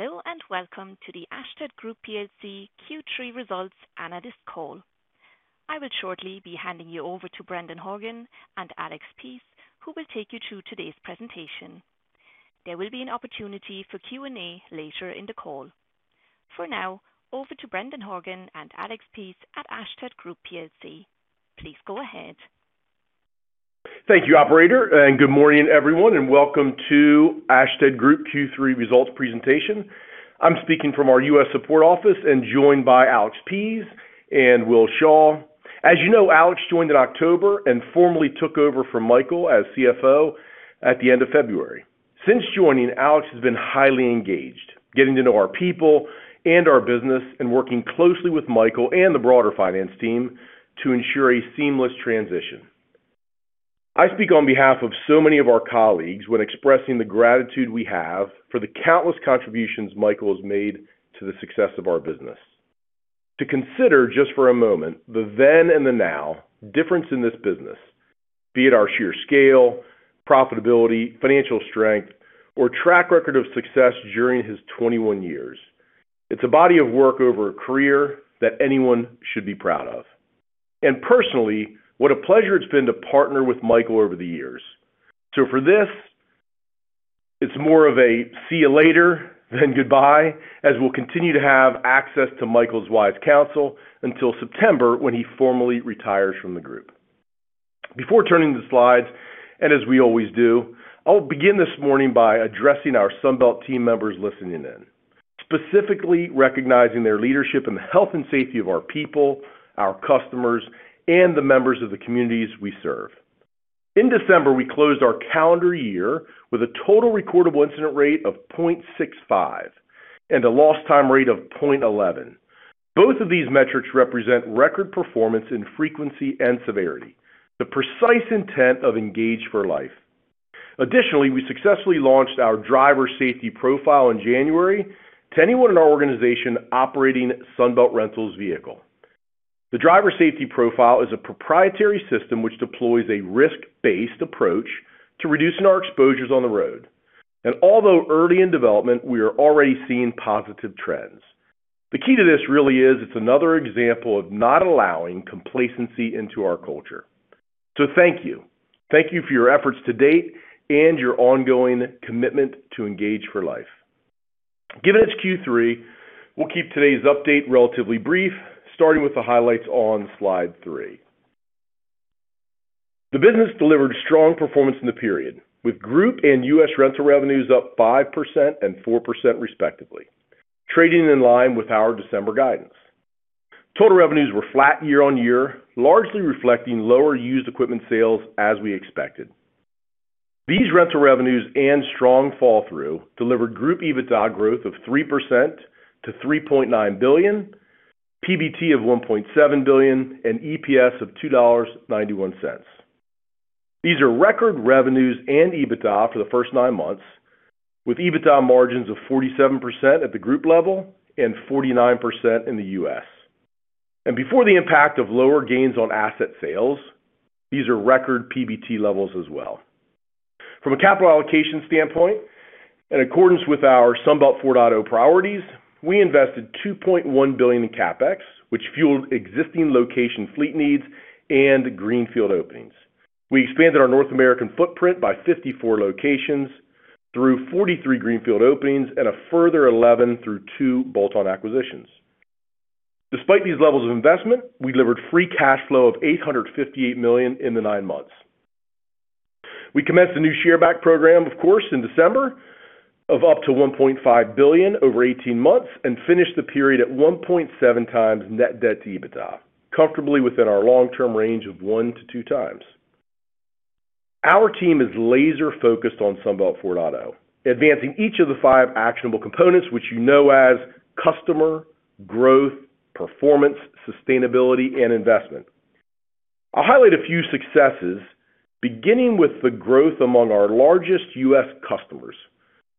Hello and welcome to the Ashtead Group PLC Q3 Results Analyst Call. I will shortly be handing you over to Brendan Horgan and Alex Pease, who will take you through today's presentation. There will be an opportunity for Q&A later in the call. For now, over to Brendan Horgan and Alex Pease at Ashtead Group PLC. Please go ahead. Thank you, Operator, and good morning, everyone, and welcome to Ashtead Group Q3 results presentation. I'm speaking from our U.S. Support Office and joined by Alex Pease and Will Shaw. As you know, Alex joined in October and formally took over from Michael as CFO at the end of February. Since joining, Alex has been highly engaged, getting to know our people and our business, and working closely with Michael and the broader finance team to ensure a seamless transition. I speak on behalf of so many of our colleagues when expressing the gratitude we have for the countless contributions Michael has made to the success of our business. To consider just for a moment the then and the now difference in this business, be it our sheer scale, profitability, financial strength, or track record of success during his 21 years, it's a body of work over a career that anyone should be proud of. And personally, what a pleasure it's been to partner with Michael over the years. So for this, it's more of a see you later than goodbye, as we'll continue to have access to Michael's wise counsel until September when he formally retires from the group. Before turning the slides, and as we always do, I'll begin this morning by addressing our Sunbelt team members listening in, specifically recognizing their leadership in the health and safety of our people, our customers, and the members of the communities we serve. In December, we closed our calendar year with a total recordable incident rate of 0.65 and a lost time rate of 0.11. Both of these metrics represent record performance in frequency and severity, the precise intent of Engage for Life. Additionally, we successfully launched our Driver Safety Profile in January to anyone in our organization operating Sunbelt Rentals' vehicle. The Driver Safety Profile is a proprietary system which deploys a risk-based approach to reducing our exposures on the road. And although early in development, we are already seeing positive trends. The key to this really is it's another example of not allowing complacency into our culture. So, thank you. Thank you for your efforts to date and your ongoing commitment to Engage for Life. Given it's Q3, we'll keep today's update relatively brief, starting with the highlights on slide 3. The business delivered strong performance in the period, with group and U.S. rental revenues up 5% and 4% respectively, trading in line with our December guidance. Total revenues were flat year-on-year, largely reflecting lower used equipment sales as we expected. These rental revenues and strong fall-through delivered group EBITDA growth of 3% to $3.9 billion, PBT of $1.7 billion, and EPS of $2.91. These are record revenues and EBITDA for the first nine months, with EBITDA margins of 47% at the group level and 49% in the U.S., and before the impact of lower gains on asset sales, these are record PBT levels as well. From a capital allocation standpoint, in accordance with our Sunbelt 4.0 priorities, we invested $2.1 billion in CapEx, which fueled existing location fleet needs and greenfield openings. We expanded our North American footprint by 54 locations through 43 greenfield openings and a further 11 through two bolt-on acquisitions. Despite these levels of investment, we delivered free cash flow of $858 million in the nine months. We commenced a new share buyback program, of course, in December of up to $1.5 billion over 18 months and finished the period at 1.7 times net debt to EBITDA, comfortably within our long-term range of one to two times. Our team is laser-focused on Sunbelt 4.0, advancing each of the five actionable components, which you know as customer, growth, performance, sustainability, and investment. I'll highlight a few successes, beginning with the growth among our largest U.S. customers,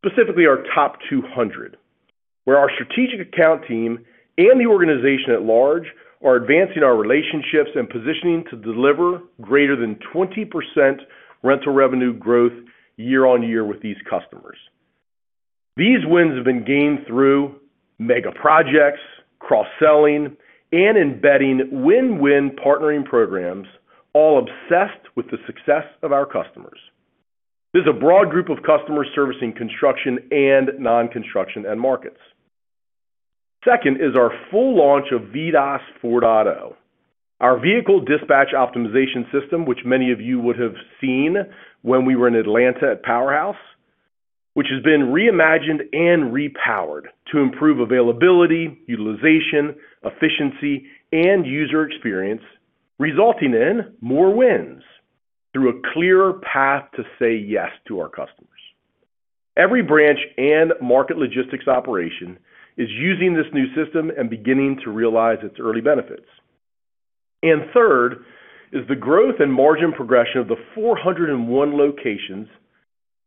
specifically our top 200, where our strategic account team and the organization at large are advancing our relationships and positioning to deliver greater than 20% rental revenue growth year-on-year with these customers. These wins have been gained through mega projects, cross-selling, and embedding win-win partnering programs, all obsessed with the success of our customers. There's a broad group of customers servicing construction and non-construction markets. Second is our full launch of VDOS 4.0, our vehicle dispatch optimization system, which many of you would have seen when we were in Atlanta at Powerhouse, which has been reimagined and repowered to improve availability, utilization, efficiency, and user experience, resulting in more wins through a clearer path to say yes to our customers. Every branch and market logistics operation is using this new system and beginning to realize its early benefits. And third is the growth and margin progression of the 401 locations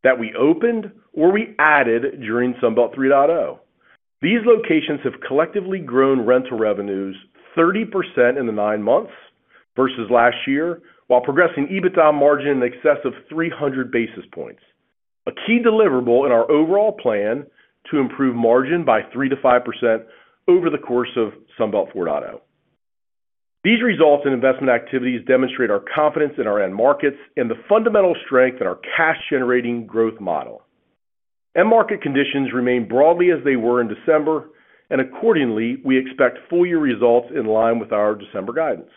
that we opened or we added during Sunbelt 3.0. These locations have collectively grown rental revenues 30% in the nine months versus last year, while progressing EBITDA margin in excess of 300 basis points, a key deliverable in our overall plan to improve margin by 3%-5% over the course of Sunbelt 4.0. These results and investment activities demonstrate our confidence in our end markets and the fundamental strength in our cash-generating growth model. End market conditions remain broadly as they were in December, and accordingly, we expect full year results in line with our December guidance.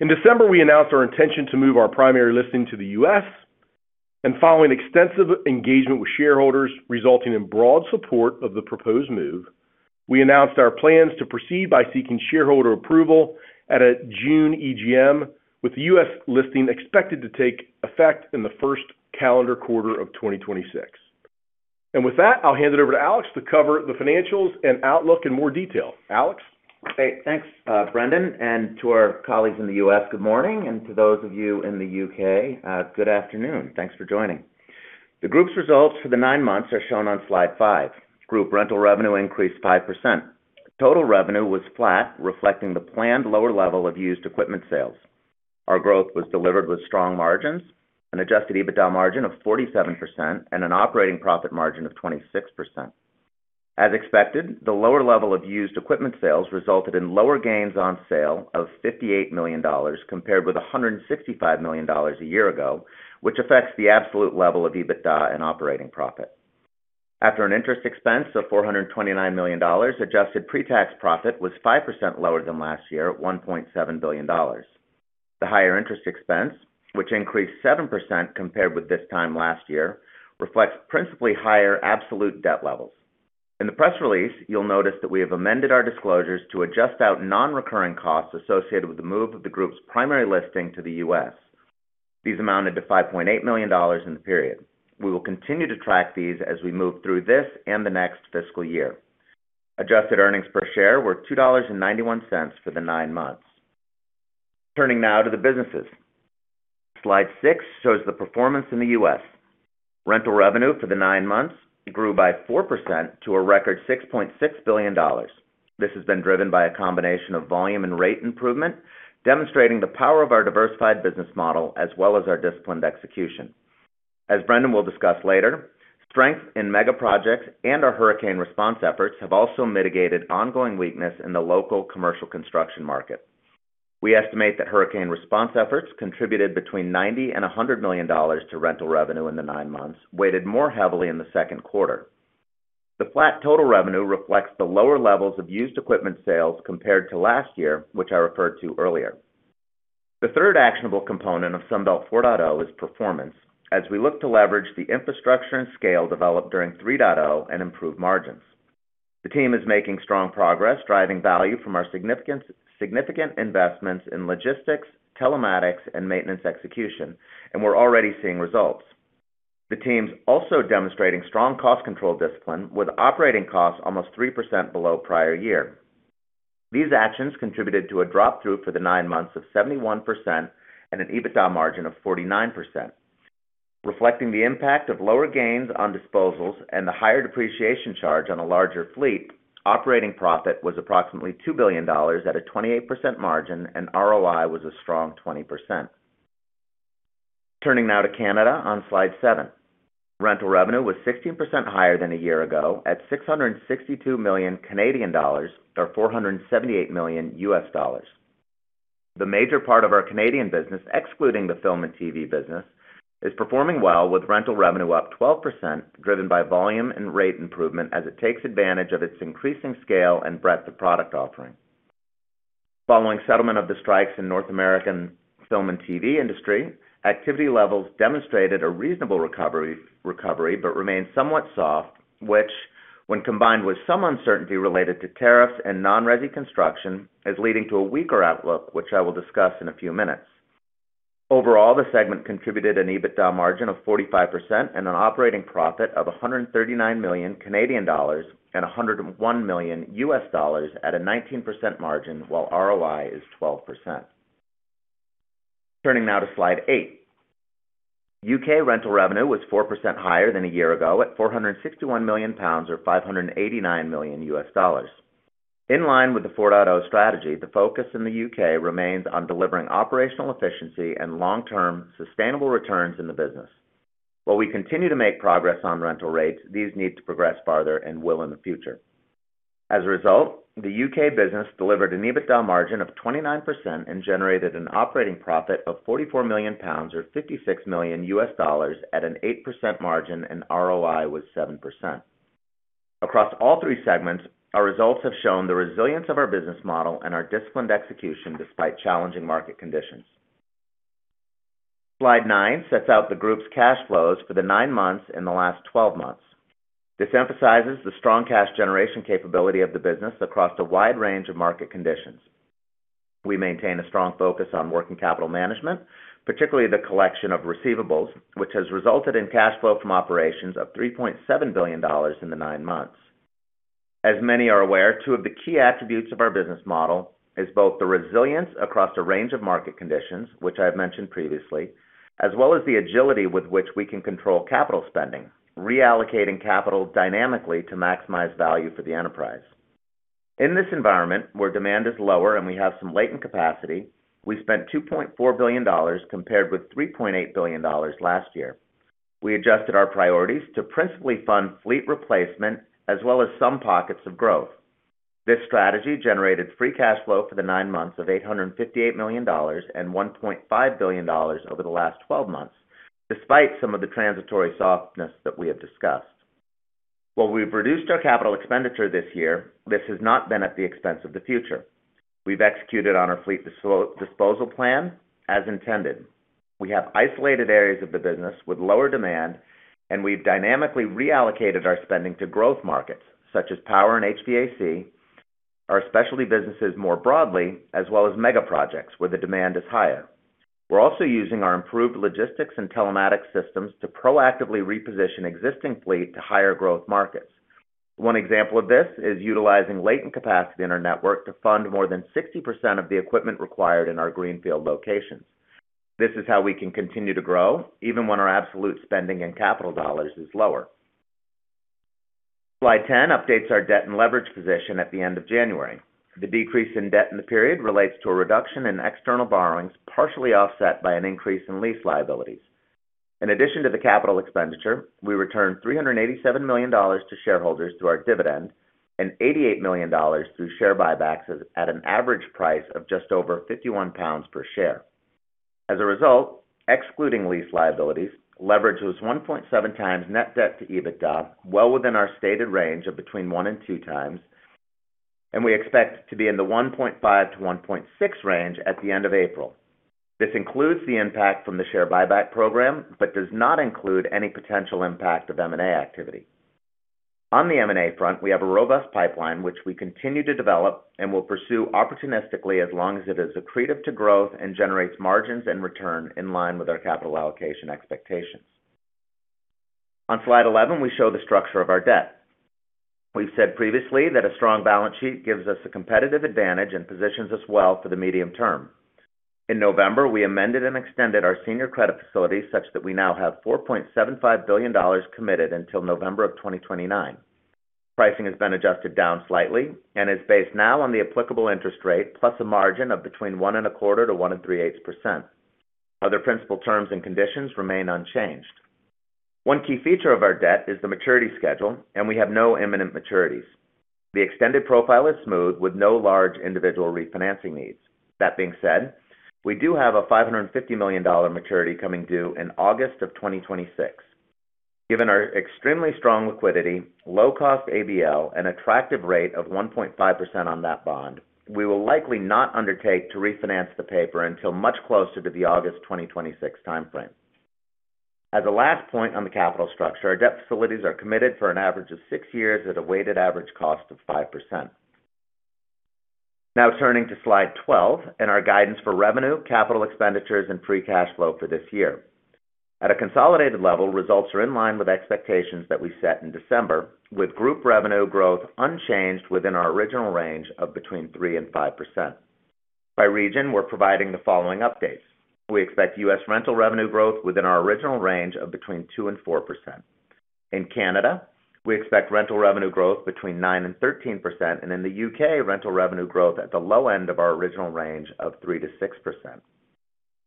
In December, we announced our intention to move our primary listing to the U.S., and following extensive engagement with shareholders, resulting in broad support of the proposed move, we announced our plans to proceed by seeking shareholder approval at a June EGM, with the U.S. listing expected to take effect in the first calendar quarter of 2026. With that, I'll hand it over to Alex to cover the financials and outlook in more detail. Alex. Hey, thanks, Brendan. And to our colleagues in the U.S., good morning. And to those of you in the U.K., good afternoon. Thanks for joining. The group's results for the nine months are shown on slide 5. Group rental revenue increased 5%. Total revenue was flat, reflecting the planned lower level of used equipment sales. Our growth was delivered with strong margins, an adjusted EBITDA margin of 47%, and an operating profit margin of 26%. As expected, the lower level of used equipment sales resulted in lower gains on sale of $58 million compared with $165 million a year ago, which affects the absolute level of EBITDA and operating profit. After an interest expense of $429 million, adjusted pre-tax profit was 5% lower than last year at $1.7 billion. The higher interest expense, which increased 7% compared with this time last year, reflects principally higher absolute debt levels. In the press release, you'll notice that we have amended our disclosures to adjust out non-recurring costs associated with the move of the group's primary listing to the U.S. These amounted to $5.8 million in the period. We will continue to track these as we move through this and the next fiscal year. Adjusted earnings per share were $2.91 for the nine months. Turning now to the businesses. Slide 6 shows the performance in the U.S. Rental revenue for the nine months grew by 4% to a record $6.6 billion. This has been driven by a combination of volume and rate improvement, demonstrating the power of our diversified business model as well as our disciplined execution. As Brendan will discuss later, strength in mega projects and our hurricane response efforts have also mitigated ongoing weakness in the local commercial construction market. We estimate that hurricane response efforts contributed between $90 and 100 million to rental revenue in the nine months, weighted more heavily in the Q2. The flat total revenue reflects the lower levels of used equipment sales compared to last year, which I referred to earlier. The third actionable component of Sunbelt 4.0 is performance, as we look to leverage the infrastructure and scale developed during 3.0 and improve margins. The team is making strong progress, driving value from our significant investments in logistics, telematics, and maintenance execution, and we're already seeing results. The team's also demonstrating strong cost control discipline, with operating costs almost 3% below prior year. These actions contributed to a drop-through for the nine months of 71% and an EBITDA margin of 49%, reflecting the impact of lower gains on disposals and the higher depreciation charge on a larger fleet. Operating profit was approximately $2 billion at a 28% margin, and ROI was a strong 20%. Turning now to Canada on slide 7, rental revenue was 16% higher than a year ago at 662 million Canadian dollars or $478 million. The major part of our Canadian business, excluding the film and TV business, is performing well, with rental revenue up 12%, driven by volume and rate improvement as it takes advantage of its increasing scale and breadth of product offering. Following settlement of the strikes in North American film and TV industry, activity levels demonstrated a reasonable recovery but remained somewhat soft, which, when combined with some uncertainty related to tariffs and non-ready construction, is leading to a weaker outlook, which I will discuss in a few minutes. Overall, the segment contributed an EBITDA margin of 45% and an operating profit of 139 million Canadian dollars and $101 million at a 19% margin, while ROI is 12%. Turning now to slide 8, U.K. rental revenue was 4% higher than a year ago at 461 million pounds or $589 million. In line with the 4.0 strategy, the focus in the U.K. remains on delivering operational efficiency and long-term sustainable returns in the business. While we continue to make progress on rental rates, these need to progress farther and will in the future. As a result, the U.K. business delivered an EBITDA margin of 29% and generated an operating profit of 44 million pounds or $56 million at an 8% margin, and ROI was 7%. Across all three segments, our results have shown the resilience of our business model and our disciplined execution despite challenging market conditions. Slide 9 sets out the group's cash flows for the nine months in the last 12 months. This emphasizes the strong cash generation capability of the business across a wide range of market conditions. We maintain a strong focus on working capital management, particularly the collection of receivables, which has resulted in cash flow from operations of $3.7 billion in the 9 months. As many are aware, two of the key attributes of our business model are both the resilience across a range of market conditions, which I have mentioned previously, as well as the agility with which we can control capital spending, reallocating capital dynamically to maximize value for the enterprise. In this environment, where demand is lower and we have some latent capacity, we spent $2.4 billion compared with $3.8 billion last year. We adjusted our priorities to principally fund fleet replacement as well as some pockets of growth. This strategy generated free cash flow for the nine months of $858 million and $1.5 billion over the last 12 months, despite some of the transitory softness that we have discussed. While we've reduced our capital expenditure this year, this has not been at the expense of the future. We've executed on our fleet disposal plan as intended. We have isolated areas of the business with lower demand, and we've dynamically reallocated our spending to growth markets such as power and HVAC, our specialty businesses more broadly, as well as mega projects where the demand is higher. We're also using our improved logistics and telematics systems to proactively reposition existing fleet to higher growth markets. One example of this is utilizing latent capacity in our network to fund more than 60% of the equipment required in our greenfield locations. This is how we can continue to grow, even when our absolute spending and capital dollars is lower. Slide 10 updates our debt and leverage position at the end of January. The decrease in debt in the period relates to a reduction in external borrowings, partially offset by an increase in lease liabilities. In addition to the capital expenditure, we returned $387 million to shareholders through our dividend and $88 million through share buybacks at an average price of just over 51 pounds per share. As a result, excluding lease liabilities, leverage was 1.7 times net debt to EBITDA, well within our stated range of between one and two times, and we expect to be in the 1.5-1.6 range at the end of April. This includes the impact from the share buyback program but does not include any potential impact of M&A activity. On the M&A front, we have a robust pipeline, which we continue to develop and will pursue opportunistically as long as it is accretive to growth and generates margins and return in line with our capital allocation expectations. On slide 11, we show the structure of our debt. We've said previously that a strong balance sheet gives us a competitive advantage and positions us well for the medium term. In November, we amended and extended our senior credit facility such that we now have $4.75 billion committed until November of 2029. Pricing has been adjusted down slightly and is based now on the applicable interest rate plus a margin of between 1.25% and 1.38%. Other principal terms and conditions remain unchanged. One key feature of our debt is the maturity schedule, and we have no imminent maturities. The extended profile is smooth with no large individual refinancing needs. That being said, we do have a $550 million maturity coming due in August of 2026. Given our extremely strong liquidity, low-cost ABL, and attractive rate of 1.5% on that bond, we will likely not undertake to refinance the paper until much closer to the August 2026 timeframe. As a last point on the capital structure, our debt facilities are committed for an average of six years at a weighted average cost of 5%. Now turning to slide 12 and our guidance for revenue, capital expenditures, and free cash flow for this year. At a consolidated level, results are in line with expectations that we set in December, with group revenue growth unchanged within our original range of between 3% and 5%. By region, we're providing the following updates. We expect U.S. rental revenue growth within our original range of between 2% and 4%. In Canada, we expect rental revenue growth between 9% and 13%, and in the U.K., rental revenue growth at the low end of our original range of 3% to 6%.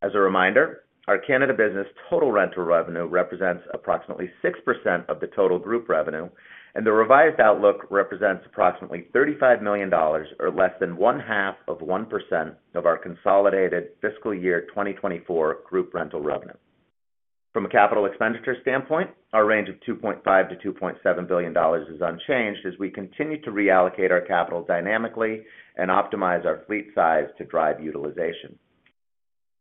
As a reminder, our Canada business total rental revenue represents approximately 6% of the total group revenue, and the revised outlook represents approximately $35 million or less than one half of 1% of our consolidated fiscal year 2024 group rental revenue. From a capital expenditure standpoint, our range of $2.5-2.7 billion is unchanged as we continue to reallocate our capital dynamically and optimize our fleet size to drive utilization.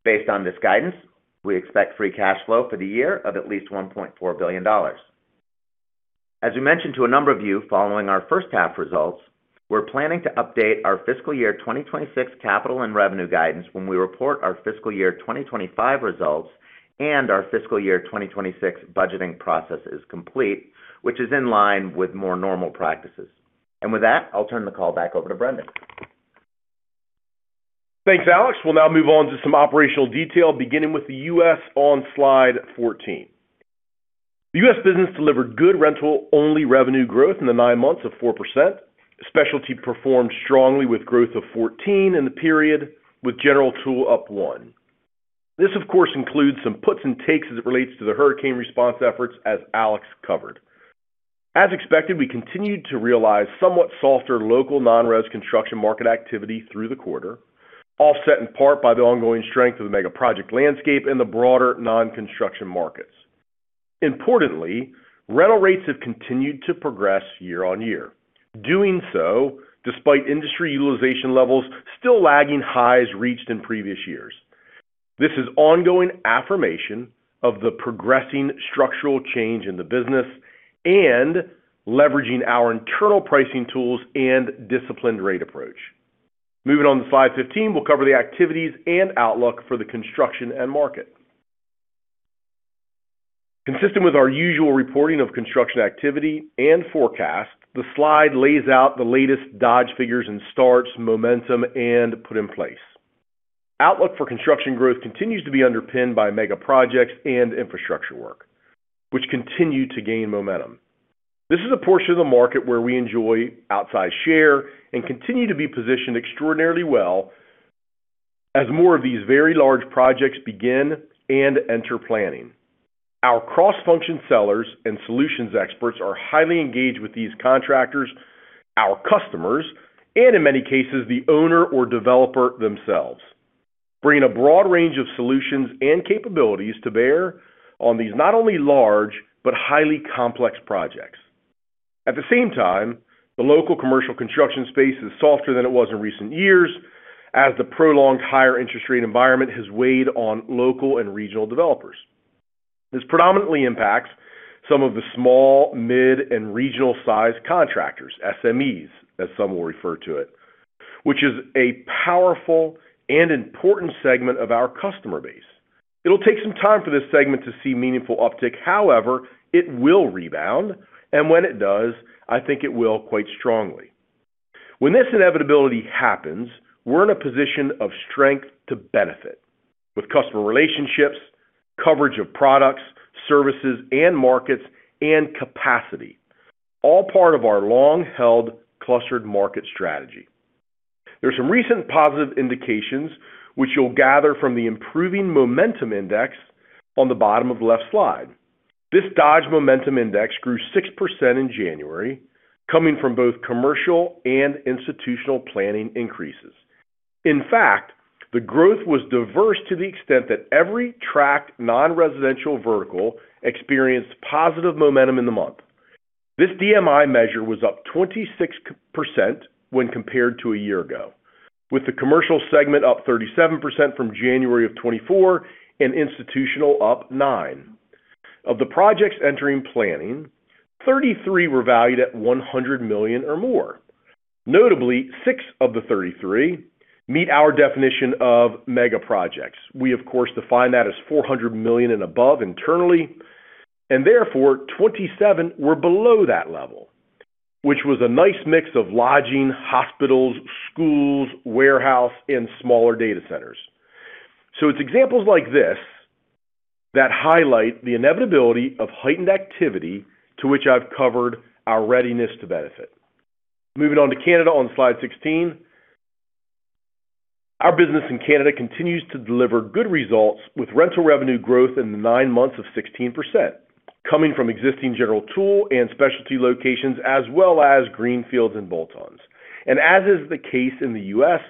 Based on this guidance, we expect free cash flow for the year of at least $1.4 billion. As we mentioned to a number of you following our first half results, we're planning to update our fiscal year 2026 capital and revenue guidance when we report our fiscal year 2025 results and our fiscal year 2026 budgeting process is complete, which is in line with more normal practices. And with that, I'll turn the call back over to Brendan. Thanks, Alex. We'll now move on to some operational detail, beginning with the U.S. on slide 14. The U.S. business delivered good rental-only revenue growth in the 9 months of 4%. Specialty performed strongly with growth of 14% in the period, with General Tool up 1%. This, of course, includes some puts and takes as it relates to the hurricane response efforts, as Alex covered. As expected, we continued to realize somewhat softer local non-res construction market activity through the quarter, offset in part by the ongoing strength of the mega project landscape and the broader non-construction markets. Importantly, rental rates have continued to progress year-on-year, doing so despite industry utilization levels still lagging highs reached in previous years. This is ongoing affirmation of the progressing structural change in the business and leveraging our internal pricing tools and disciplined rate approach. Moving on to slide 15, we'll cover the activities and outlook for the construction market. Consistent with our usual reporting of construction activity and forecast, the slide lays out the latest Dodge figures and starts, momentum, and put-in-place. Outlook for construction growth continues to be underpinned by mega projects and infrastructure work, which continue to gain momentum. This is a portion of the market where we enjoy outsized share and continue to be positioned extraordinarily well as more of these very large projects begin and enter planning. Our cross-functional sellers and solutions experts are highly engaged with these contractors, our customers, and in many cases, the owner or developer themselves, bringing a broad range of solutions and capabilities to bear on these not only large but highly complex projects. At the same time, the local commercial construction space is softer than it was in recent years as the prolonged higher interest rate environment has weighed on local and regional developers. This predominantly impacts some of the small, mid, and regional-sized contractors, SMEs, as some will refer to it, which is a powerful and important segment of our customer base. It'll take some time for this segment to see meaningful uptick. However, it will rebound, and when it does, I think it will quite strongly. When this inevitability happens, we're in a position of strength to benefit with customer relationships, coverage of products, services, and markets, and capacity, all part of our long-held clustered market strategy. There are some recent positive indications, which you'll gather from the improving momentum index on the bottom of the left slide. This Dodge Momentum Index grew 6% in January, coming from both commercial and institutional planning increases. In fact, the growth was diverse to the extent that every tracked non-residential vertical experienced positive momentum in the month. This DMI measure was up 26% when compared to a year ago, with the commercial segment up 37% from January of 2024 and institutional up 9%. Of the projects entering planning, 33 were valued at $100 million or more. Notably, six of the 33 meet our definition of mega projects. We, of course, define that as $400 million and above internally, and therefore, 27 were below that level, which was a nice mix of lodging, hospitals, schools, warehouses, and smaller data centers. So it's examples like this that highlight the inevitability of heightened activity, to which I've covered our readiness to benefit. Moving on to Canada on slide 16, our business in Canada continues to deliver good results with rental revenue growth in the 9 months of 16%, coming from existing general tool and specialty locations, as well as greenfields and bolt-ons, and as is the case in the U.S.,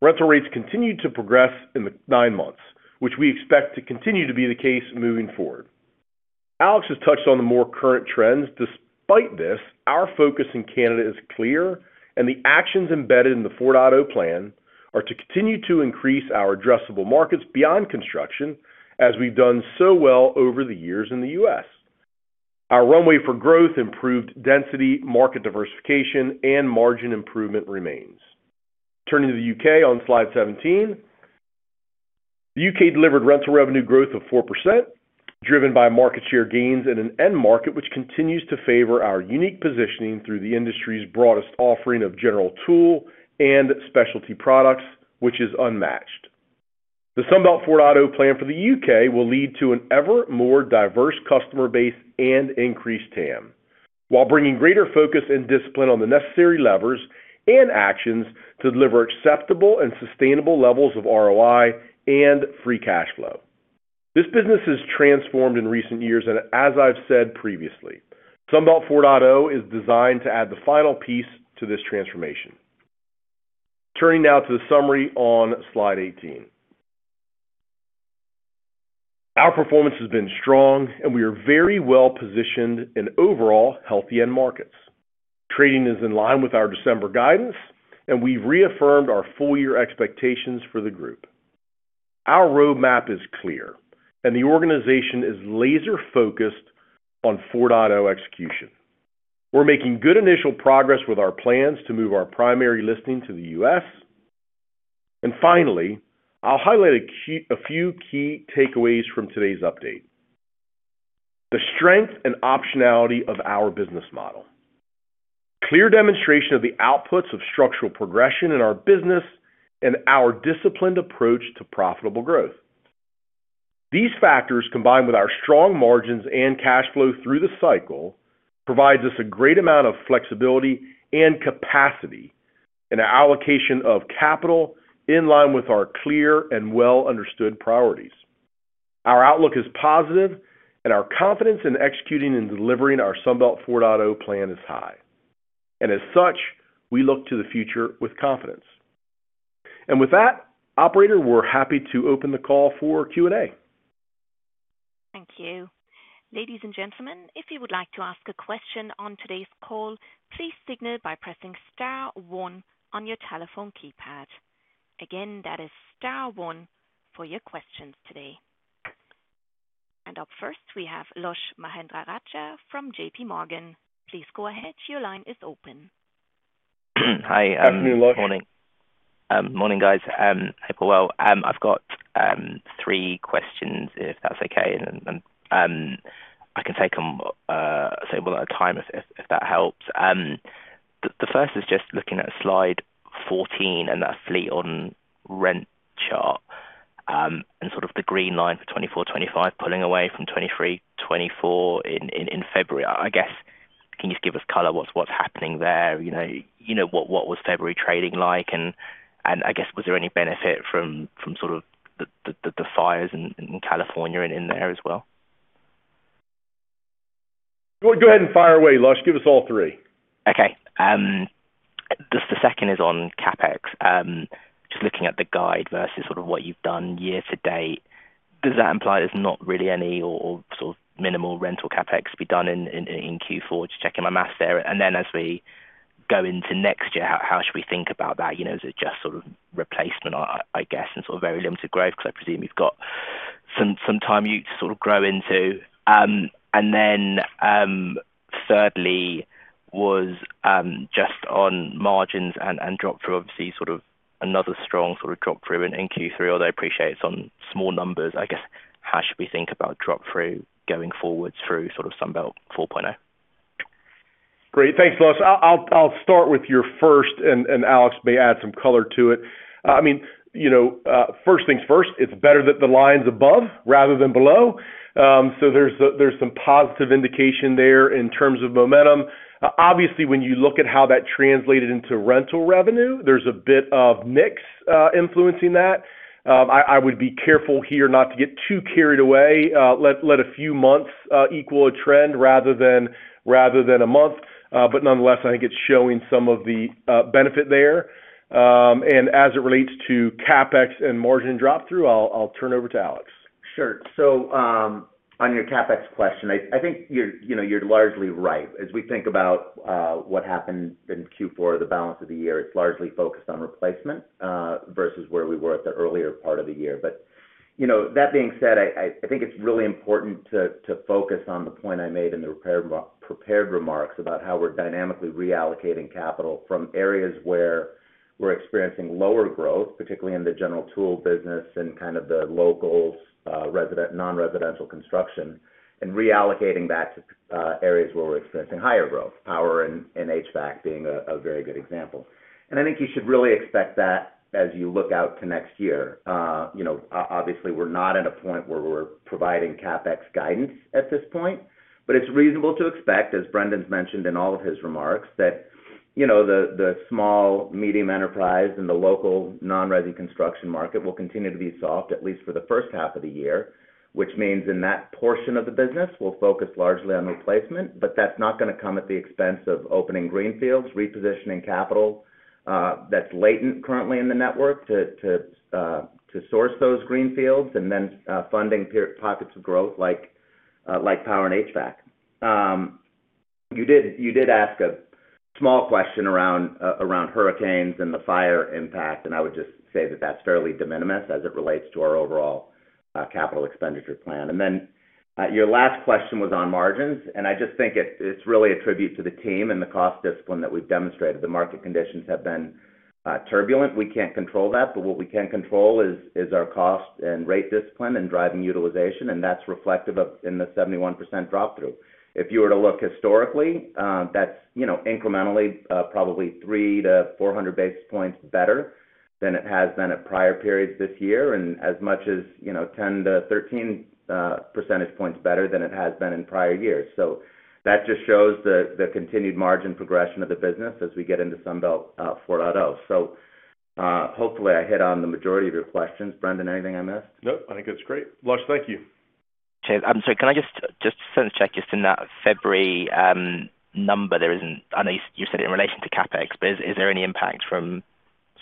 rental rates continue to progress in the 9 months, which we expect to continue to be the case moving forward. Alex has touched on the more current trends. Despite this, our focus in Canada is clear, and the actions embedded in the 4.0 plan are to continue to increase our addressable markets beyond construction, as we've done so well over the years in the U.S. Our runway for growth, improved density, market diversification, and margin improvement remains. Turning to the U.K. on slide 17, the U.K. delivered rental revenue growth of 4%, driven by market share gains in an end market, which continues to favor our unique positioning through the industry's broadest offering of general tool and specialty products, which is unmatched. The Sunbelt 4.0 plan for the U.K. will lead to an ever more diverse customer base and increased TAM, while bringing greater focus and discipline on the necessary levers and actions to deliver acceptable and sustainable levels of ROI and free cash flow. This business has transformed in recent years, and as I've said previously, Sunbelt 4.0 is designed to add the final piece to this transformation. Turning now to the summary on slide 18, our performance has been strong, and we are very well positioned in overall healthy end markets. Trading is in line with our December guidance, and we've reaffirmed our full year expectations for the group. Our roadmap is clear, and the organization is laser-focused on 4.0 execution. We're making good initial progress with our plans to move our primary listing to the U.S. And finally, I'll highlight a few key takeaways from today's update: the strength and optionality of our business model, clear demonstration of the outputs of structural progression in our business, and our disciplined approach to profitable growth. These factors, combined with our strong margins and cash flow through the cycle, provide us a great amount of flexibility and capacity in our allocation of capital, in line with our clear and well-understood priorities. Our outlook is positive, and our confidence in executing and delivering our Sunbelt 4.0 plan is high. And as such, we look to the future with confidence. And with that, operator, we're happy to open the call for Q&A. Thank you. Ladies and gentlemen, if you would like to ask a question on today's call, please signal by pressing * 1 on your telephone keypad. Again, that is * 1 for your questions today. And up first, we have Lush Mahendrarajah from JP Morgan. Please go ahead. Your line is open. Hi. Good afternoon, Lush. Morning. Morning, guys. Well, I've got 3 questions, if that's okay, and I can take them at a time, if that helps. The first is just looking at slide 14 and that fleet on rent chart and sort of the green line for 2024-2025, pulling away from 2023-2024 in February. I guess, can you just give us color? What's happening there? What was February trading like? And I guess, was there any benefit from sort of the fires in California and in there as well? Go ahead and fire away, Lush. Give us all 3. Okay. The second is on CapEx. Just looking at the guide versus sort of what you've done year to date, does that imply there's not really any or sort of minimal rental CapEx to be done in Q4? Just checking my math there. And then as we go into next year, how should we think about that? Is it just sort of replacement, I guess, and sort of very limited growth? Because I presume you've got some time you sort of grow into. And then thirdly was just on margins and drop-through, obviously, sort of another strong sort of drop-through in Q3, although I appreciate it's on small numbers. I guess, how should we think about drop-through going forward through sort of Sunbelt 4.0? Great. Thanks, Lush. I'll start with your first, and Alex may add some color to it. I mean, first things first, it's better that the line's above rather than below. So there's some positive indication there in terms of momentum. Obviously, when you look at how that translated into rental revenue, there's a bit of mix influencing that. I would be careful here not to get too carried away. Let a few months equal a trend rather than a month. But nonetheless, I think it's showing some of the benefit there. And as it relates to CapEx and margin drop-through, I'll turn over to Alex. Sure, so on your CapEx question, I think you're largely right. As we think about what happened in Q4, the balance of the year, it's largely focused on replacement versus where we were at the earlier part of the year. But that being said, I think it's really important to focus on the point I made in the prepared remarks about how we're dynamically reallocating capital from areas where we're experiencing lower growth, particularly in the general tool business and kind of the local non-residential construction, and reallocating that to areas where we're experiencing higher growth, power and HVAC being a very good example, and I think you should really expect that as you look out to next year. Obviously, we're not at a point where we're providing CapEx guidance at this point, but it's reasonable to expect, as Brendan's mentioned in all of his remarks, that the small, medium enterprise and the local non-residential construction market will continue to be soft, at least for the first half of the year, which means in that portion of the business, we'll focus largely on replacement, but that's not going to come at the expense of opening greenfields, repositioning capital that's latent currently in the network to source those greenfields, and then funding pockets of growth like power and HVAC. You did ask a small question around hurricanes and the fire impact, and I would just say that that's fairly de minimis as it relates to our overall capital expenditure plan. And then your last question was on margins, and I just think it's really a tribute to the team and the cost discipline that we've demonstrated. The market conditions have been turbulent. We can't control that, but what we can control is our cost and rate discipline and driving utilization, and that's reflective of the 71% drop-through. If you were to look historically, that's incrementally probably 300-400 basis points better than it has been at prior periods this year and as much as 10%-13% points better than it has been in prior years. So that just shows the continued margin progression of the business as we get into Sunbelt 4.0. So hopefully, I hit on the majority of your questions. Brendan, anything I missed? Nope. I think it's great. Lush, thank you. I'm sorry. Can I just double-check just in that February number? I know you said it in relation to CapEx, but is there any impact from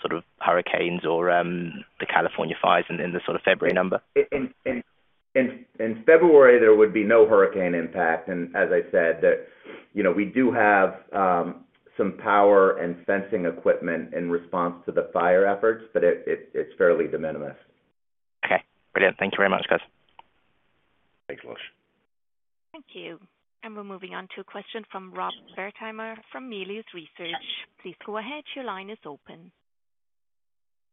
sort of hurricanes or the California fires in the sort of February number? In February, there would be no hurricane impact, and as I said, we do have some power and fencing equipment in response to the fire efforts, but it's fairly de minimis. Okay. Brilliant. Thank you very much, guys. Thanks, Lush. Thank you. And we're moving on to a question from Rob Wertheimer from Melius Research. Please go ahead. Your line is open.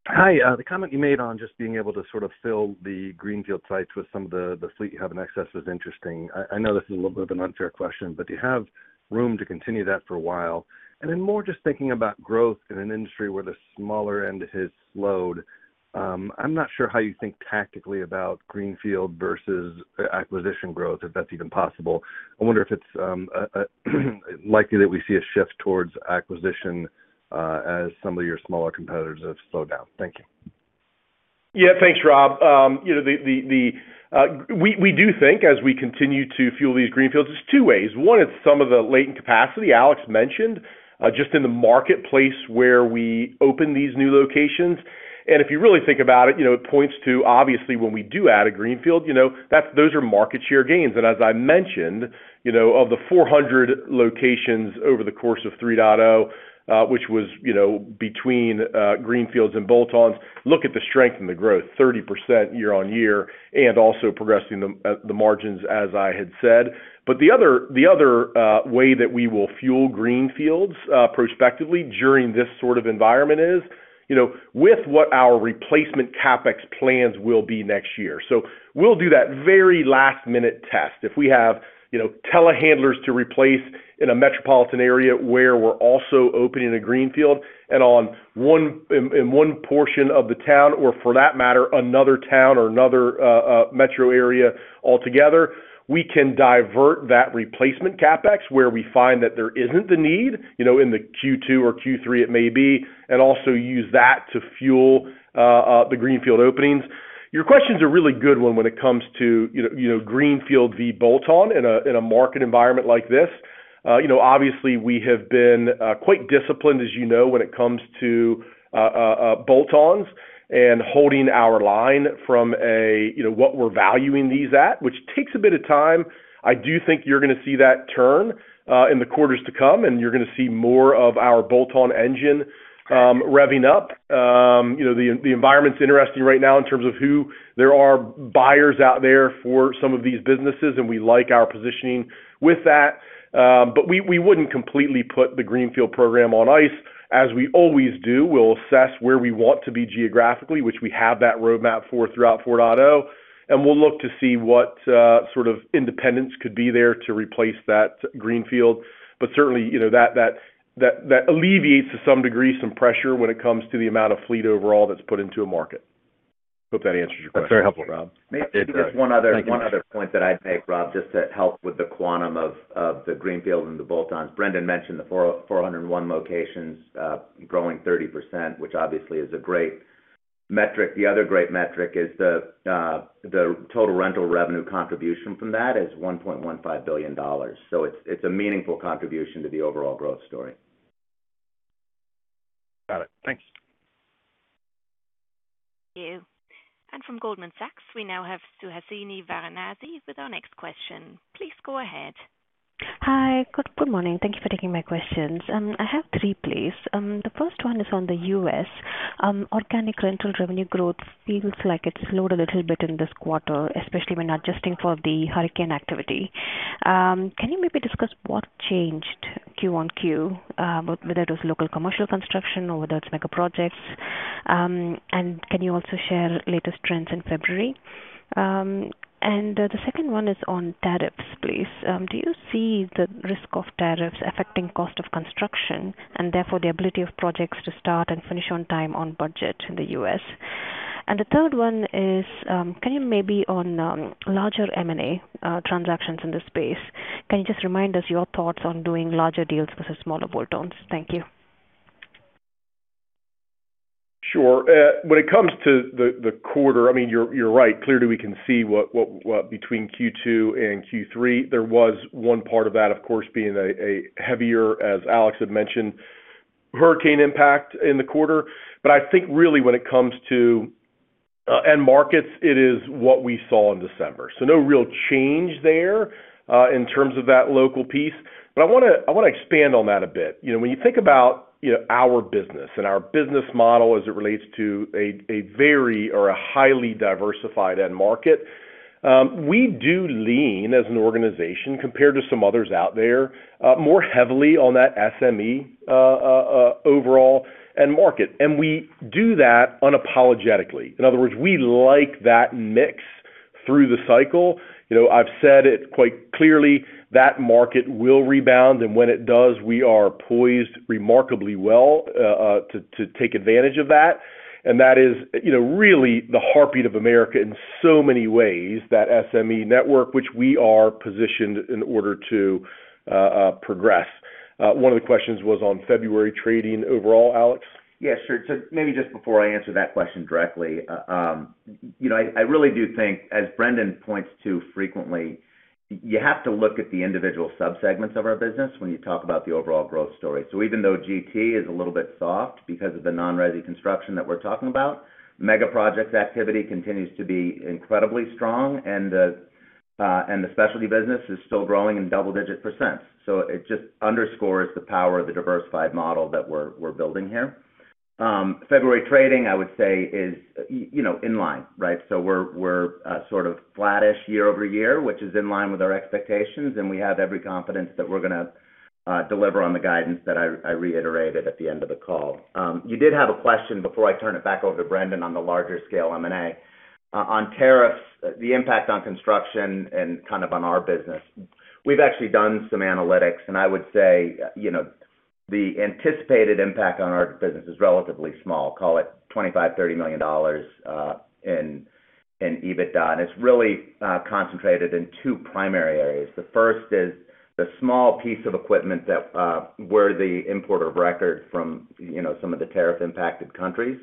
Hi. The comment you made on just being able to sort of fill the greenfield sites with some of the fleet you have in excess was interesting. I know this is a little bit of an unfair question, but do you have room to continue that for a while? And then more just thinking about growth in an industry where the smaller end has slowed, I'm not sure how you think tactically about greenfield versus acquisition growth, if that's even possible. I wonder if it's likely that we see a shift towards acquisition as some of your smaller competitors have slowed down. Thank you. Yeah. Thanks, Rob. We do think as we continue to fuel these greenfields, it's two ways. One, it's some of the latent capacity Alex mentioned just in the marketplace where we open these new locations. And if you really think about it, it points to, obviously, when we do add a greenfield, those are market share gains. And as I mentioned, of the 400 locations over the course of 3.0, which was between greenfields and bolt-ons, look at the strength and the growth, 30% year-on-year, and also progressing the margins, as I had said. But the other way that we will fuel greenfields prospectively during this sort of environment is with what our replacement CapEx plans will be next year. So we'll do that very last-minute test. If we have telehandlers to replace in a metropolitan area where we're also opening a greenfield and on one portion of the town, or for that matter, another town or another metro area altogether, we can divert that replacement CapEx where we find that there isn't the need in the Q2 or Q3, it may be, and also use that to fuel the greenfield openings. Your question's a really good one when it comes to greenfield v bolt-on in a market environment like this. Obviously, we have been quite disciplined, as you know, when it comes to bolt-ons and holding our line from what we're valuing these at, which takes a bit of time. I do think you're going to see that turn in the quarters to come, and you're going to see more of our bolt-on engine revving up. The environment's interesting right now in terms of whether there are buyers out there for some of these businesses, and we like our positioning with that. But we wouldn't completely put the greenfield program on ice, as we always do. We'll assess where we want to be geographically, which we have that roadmap for throughout 4.0, and we'll look to see what sort of acquisitions could be there to replace that greenfield. But certainly, that alleviates to some degree some pressure when it comes to the amount of fleet overall that's put into a market. Hope that answers your question. That's very helpful. Maybe just one other point that I'd make, Rob, just to help with the quantum of the greenfield and the bolt-ons. Brendan mentioned the 401 locations growing 30%, which obviously is a great metric. The other great metric is the total rental revenue contribution from that is $1.15 billion. So it's a meaningful contribution to the overall growth story. Got it. Thanks. Thank you. And from Goldman Sachs, we now have Suhasini Varanasi with our next question. Please go ahead. Hi. Good morning. Thank you for taking my questions. I have 3, please. The first one is on the U.S. organic rental revenue growth. It feels like it's slowed a little bit in this quarter, especially when adjusting for the hurricane activity. Can you maybe discuss what changed QoQ, whether it was local commercial construction or whether it's megaprojects? And can you also share latest trends in February? And the second one is on tariffs, please. Do you see the risk of tariffs affecting cost of construction and therefore the ability of projects to start and finish on time on budget in the U.S.? And the third one is, can you maybe on larger M&A transactions in this space, can you just remind us your thoughts on doing larger deals versus smaller bolt-ons? Thank you. Sure. When it comes to the quarter, I mean, you're right. Clearly, we can see between Q2 and Q3. There was one part of that, of course, being a heavier, as Alex had mentioned, hurricane impact in the quarter. But I think really when it comes to end markets, it is what we saw in December. So no real change there in terms of that local piece. But I want to expand on that a bit. When you think about our business and our business model as it relates to a very or a highly diversified end market, we do lean as an organization compared to some others out there more heavily on that SME overall end market. And we do that unapologetically. In other words, we like that mix through the cycle. I've said it quite clearly. That market will rebound. When it does, we are poised remarkably well to take advantage of that. That is really the heartbeat of America in so many ways, that SME network, which we are positioned in order to progress. One of the questions was on February trading overall, Alex? Yeah. Sure. So maybe just before I answer that question directly, I really do think, as Brendan points to frequently, you have to look at the individual subsegments of our business when you talk about the overall growth story. So even though GT is a little bit soft because of the non-residential construction that we're talking about, megaprojects activity continues to be incredibly strong, and the specialty business is still growing in double-digit %. So it just underscores the power of the diversified model that we're building here. February trading, I would say, is in line, right? So we're sort of flattish year over year, which is in line with our expectations, and we have every confidence that we're going to deliver on the guidance that I reiterated at the end of the call. You did have a question before I turn it back over to Brendan on the larger scale M&A. On tariffs, the impact on construction and kind of on our business, we've actually done some analytics, and I would say the anticipated impact on our business is relatively small. Call it $25-30 million in EBITDA. And it's really concentrated in two primary areas. The first is the small piece of equipment that we're the importer of record from some of the tariff-impacted countries.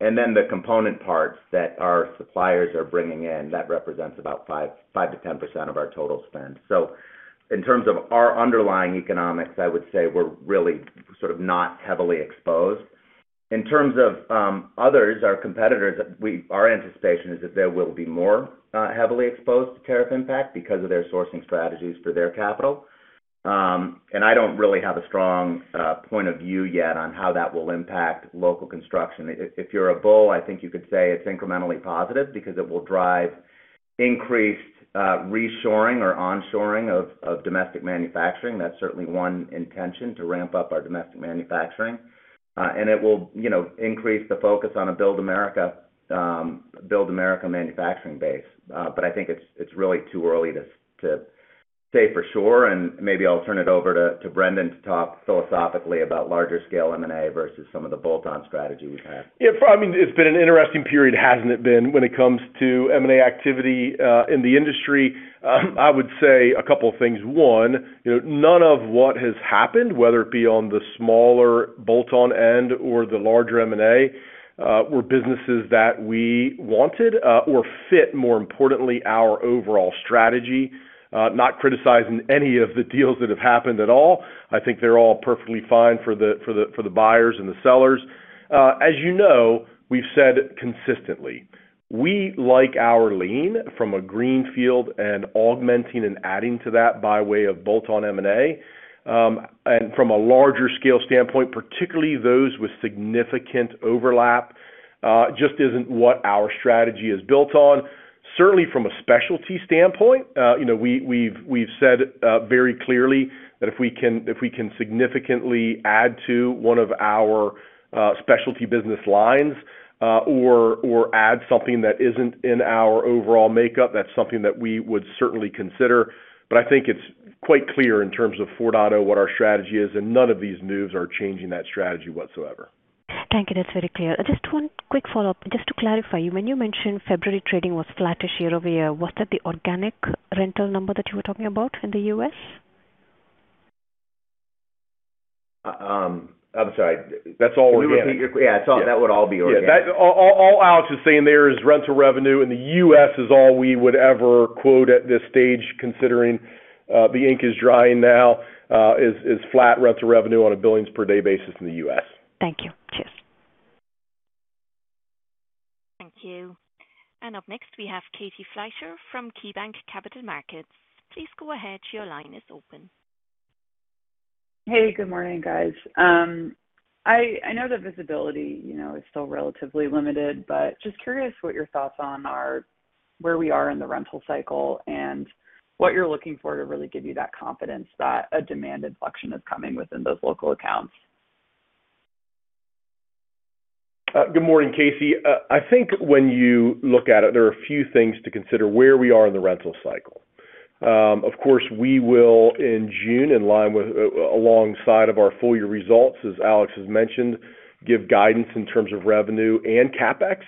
And then the component parts that our suppliers are bringing in, that represents about 5%-10% of our total spend. So in terms of our underlying economics, I would say we're really sort of not heavily exposed. In terms of others, our competitors, our anticipation is that there will be more heavily exposed to tariff impact because of their sourcing strategies for their capital. And I don't really have a strong point of view yet on how that will impact local construction. If you're a bull, I think you could say it's incrementally positive because it will drive increased reshoring or onshoring of domestic manufacturing. That's certainly one intention to ramp up our domestic manufacturing. And it will increase the focus on a Build America manufacturing base. But I think it's really too early to say for sure. And maybe I'll turn it over to Brendan to talk philosophically about larger scale M&A versus some of the bolt-on strategy we've had. Yeah. I mean, it's been an interesting period, hasn't it been, when it comes to M&A activity in the industry? I would say a couple of things. One, none of what has happened, whether it be on the smaller bolt-on end or the larger M&A, were businesses that we wanted or fit, more importantly, our overall strategy. Not criticizing any of the deals that have happened at all. I think they're all perfectly fine for the buyers and the sellers. As you know, we've said consistently, we like our lane from a greenfield and augmenting and adding to that by way of bolt-on M&A, and from a larger scale standpoint, particularly those with significant overlap, just isn't what our strategy is built on. Certainly, from a specialty standpoint, we've said very clearly that if we can significantly add to one of our specialty business lines or add something that isn't in our overall makeup, that's something that we would certainly consider. But I think it's quite clear in terms of 4.0 what our strategy is, and none of these moves are changing that strategy whatsoever. Thank you. That's very clear. Just one quick follow-up. Just to clarify, when you mentioned February trading was flattish year over year, was that the organic rental number that you were talking about in the U.S.? I'm sorry. That's all we're getting. Yeah. That would all be organic. Yeah. All Alex is saying there is rental revenue in the U.S. is all we would ever quote at this stage, considering the ink is drying now, is flat rental revenue on a billings per day basis in the U.S. Thank you. Cheers. Thank you. And up next, we have Katie Fleischer from KeyBanc Capital Markets. Please go ahead. Your line is open. Hey. Good morning, guys. I know that visibility is still relatively limited, but just curious what your thoughts on where we are in the rental cycle and what you're looking for to really give you that confidence that a demanded inflection is coming within those local accounts? Good morning, Katie. I think when you look at it, there are a few things to consider where we are in the rental cycle. Of course, we will, in June, in line with alongside of our full year results, as Alex has mentioned, give guidance in terms of revenue and CapEx,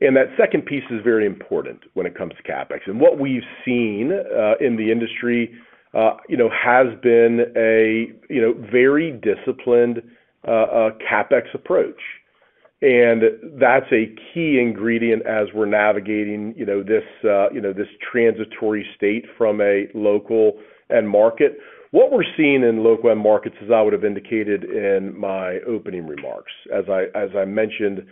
and that second piece is very important when it comes to CapEx, and what we've seen in the industry has been a very disciplined CapEx approach, and that's a key ingredient as we're navigating this transitory state from a local end market. What we're seeing in local end markets, as I would have indicated in my opening remarks, as I mentioned,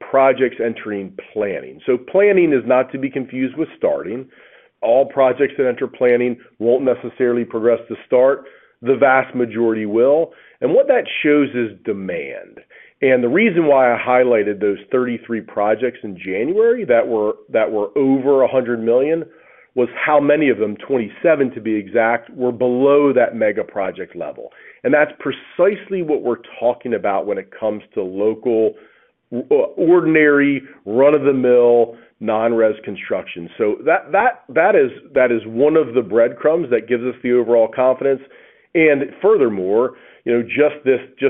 projects entering planning. So planning is not to be confused with starting. All projects that enter planning won't necessarily progress to start. The vast majority will, and what that shows is demand. The reason why I highlighted those 33 projects in January that were over 100 million was how many of them, 27 to be exact, were below that megaproject level. That's precisely what we're talking about when it comes to local, ordinary, run-of-the-mill, non-res construction. That is one of the breadcrumbs that gives us the overall confidence. Furthermore, just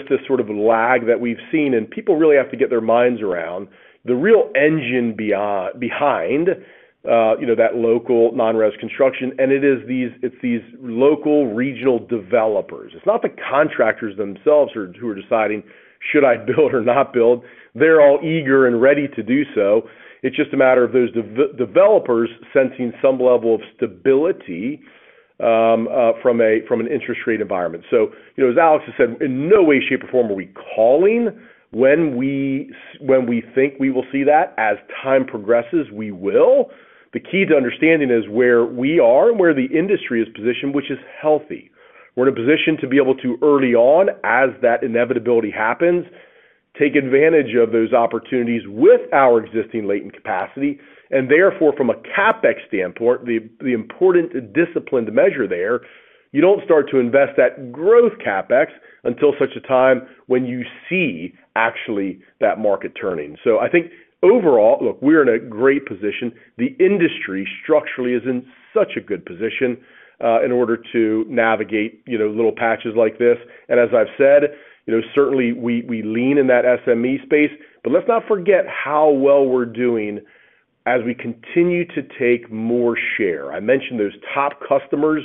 this sort of lag that we've seen, and people really have to get their minds around the real engine behind that local non-res construction. It's these local regional developers. It's not the contractors themselves who are deciding, "Should I build or not build?" They're all eager and ready to do so. It's just a matter of those developers sensing some level of stability from an interest rate environment. So as Alex has said, in no way, shape, or form are we calling when we think we will see that. As time progresses, we will. The key to understanding is where we are and where the industry is positioned, which is healthy. We're in a position to be able to, early on, as that inevitability happens, take advantage of those opportunities with our existing latent capacity. And therefore, from a CapEx standpoint, the important discipline to measure there, you don't start to invest that growth CapEx until such a time when you see actually that market turning. So I think overall, look, we're in a great position. The industry structurally is in such a good position in order to navigate little patches like this. And as I've said, certainly, we lean in that SME space. But let's not forget how well we're doing as we continue to take more share. I mentioned those top customers,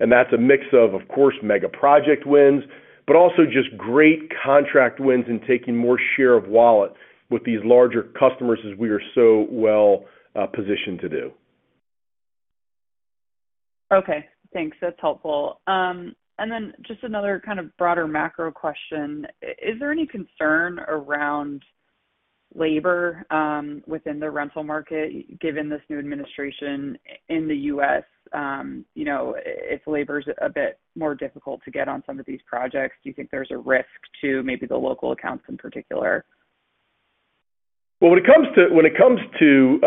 and that's a mix of, of course, megaproject wins, but also just great contract wins and taking more share of wallet with these larger customers as we are so well positioned to do. Okay. Thanks. That's helpful. And then just another kind of broader macro question. Is there any concern around labor within the rental market given this new administration in the U.S.? If labor is a bit more difficult to get on some of these projects, do you think there's a risk to maybe the local accounts in particular? When it comes to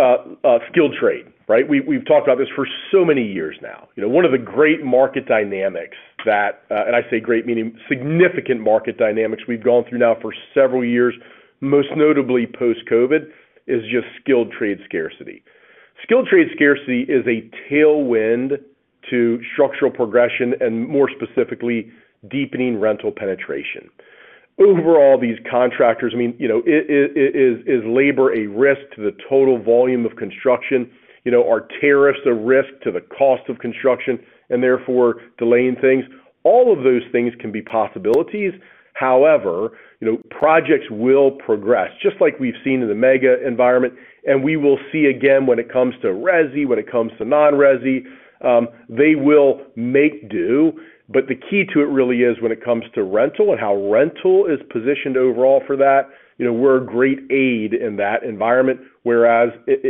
skilled trade, right? We've talked about this for so many years now. One of the great market dynamics that, and I say great meaning significant market dynamics we've gone through now for several years, most notably post-COVID, is just skilled trade scarcity. Skilled trade scarcity is a tailwind to structural progression and, more specifically, deepening rental penetration. Overall, these contractors, I mean, is labor a risk to the total volume of construction? Are tariffs a risk to the cost of construction and therefore delaying things? All of those things can be possibilities. However, projects will progress, just like we've seen in the mega environment, and we will see again when it comes to resi, when it comes to non-resi, they will make do. But the key to it really is when it comes to rental and how rental is positioned overall for that, we're a great aid in that environment. Whereas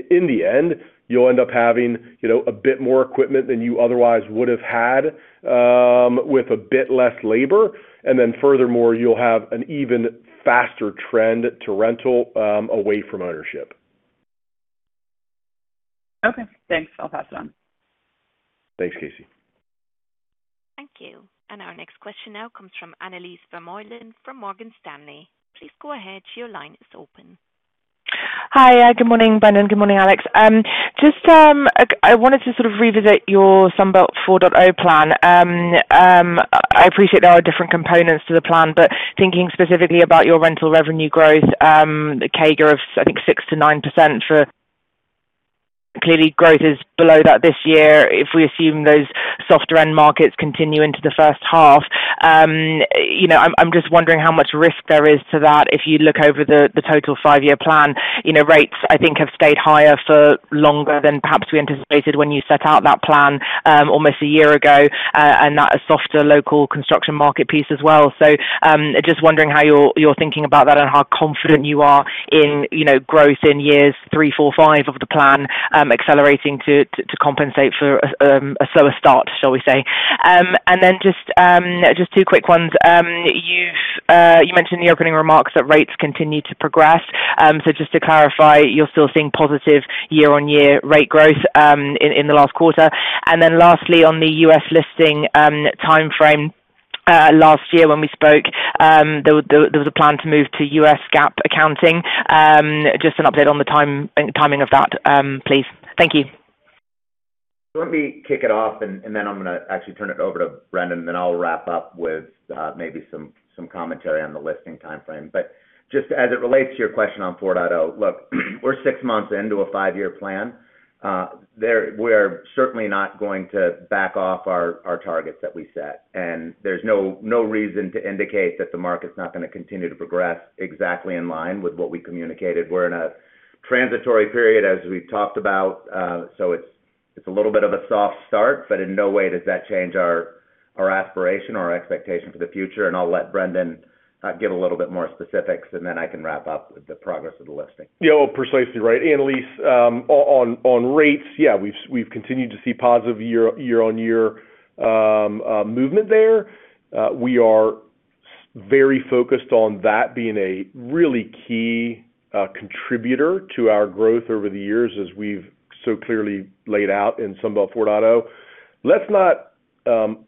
in the end, you'll end up having a bit more equipment than you otherwise would have had with a bit less labor. And then furthermore, you'll have an even faster trend to rental away from ownership. Okay. Thanks. I'll pass it on. Thanks, Katie. Thank you. And our next question now comes from Annelise Vermeulen from Morgan Stanley. Please go ahead. Your line is open. Hi. Good morning, Brendan. Good morning, Alex. Just, I wanted to sort of revisit your Sunbelt 4.0 plan. I appreciate there are different components to the plan, but thinking specifically about your rental revenue growth, the CAGR of, I think, 6%-9% forecast. Clearly, growth is below that this year if we assume those softer end markets continue into the first half. I'm just wondering how much risk there is to that if you look over the total five-year plan. Rates, I think, have stayed higher for longer than perhaps we anticipated when you set out that plan almost a year ago, and that softer local construction market piece as well. So just wondering how you're thinking about that and how confident you are in growth in years three, four, five of the plan accelerating to compensate for a slower start, shall we say. Just two quick ones. You mentioned in your opening remarks that rates continue to progress. Just to clarify, you're still seeing positive year-on-year rate growth in the last quarter. Lastly, on the U.S. listing timeframe last year when we spoke, there was a plan to move to U.S. GAAP accounting. Just an update on the timing of that, please. Thank you. Let me kick it off, and then I'm going to actually turn it over to Brendan, and then I'll wrap up with maybe some commentary on the listing timeframe but just as it relates to your question on 4.0, look, we're six months into a five-year plan. We are certainly not going to back off our targets that we set and there's no reason to indicate that the market's not going to continue to progress exactly in line with what we communicated. We're in a transitory period, as we've talked about so it's a little bit of a soft start but in no way does that change our aspiration or our expectation for the future and I'll let Brendan give a little bit more specifics, and then I can wrap up with the progress of the listing. Yeah. Well, precisely right. Annelise, on rates, yeah, we've continued to see positive year-on-year movement there. We are very focused on that being a really key contributor to our growth over the years, as we've so clearly laid out in Sunbelt 4.0. Let's not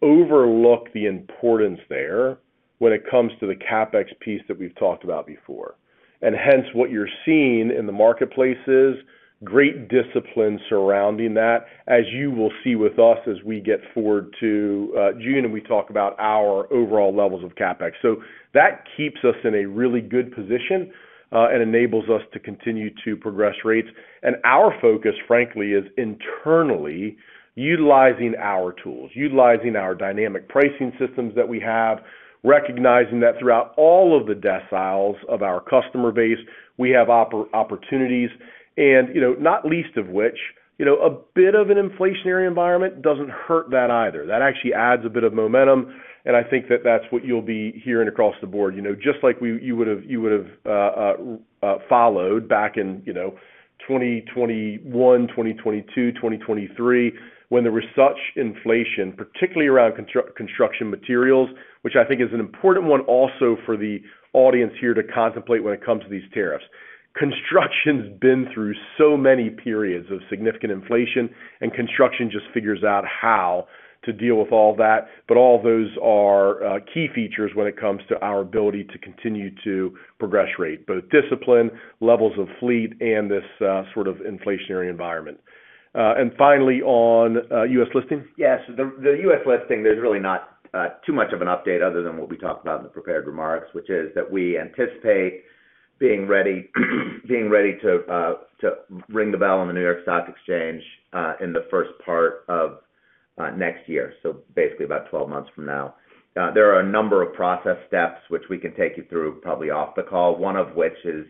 overlook the importance there when it comes to the CapEx piece that we've talked about before. And hence, what you're seeing in the marketplace is great discipline surrounding that, as you will see with us as we look forward to June and we talk about our overall levels of CapEx. So that keeps us in a really good position and enables us to continue to progress rates. And our focus, frankly, is internally utilizing our tools, utilizing our dynamic pricing systems that we have, recognizing that throughout all of the deciles of our customer base, we have opportunities. Not least of which, a bit of an inflationary environment doesn't hurt that either. That actually adds a bit of momentum. I think that that's what you'll be hearing across the board. Just like you would have followed back in 2021, 2022, 2023, when there was such inflation, particularly around construction materials, which I think is an important one also for the audience here to contemplate when it comes to these tariffs. Construction's been through so many periods of significant inflation, and construction just figures out how to deal with all that. But all those are key features when it comes to our ability to continue to progress rate, both discipline, levels of fleet, and this sort of inflationary environment. Finally, on U.S. listing? Yeah. So the U.S. listing, there's really not too much of an update other than what we talked about in the prepared remarks, which is that we anticipate being ready to ring the bell on the New York Stock Exchange in the first part of next year, so basically about 12 months from now. There are a number of process steps, which we can take you through probably off the call, one of which is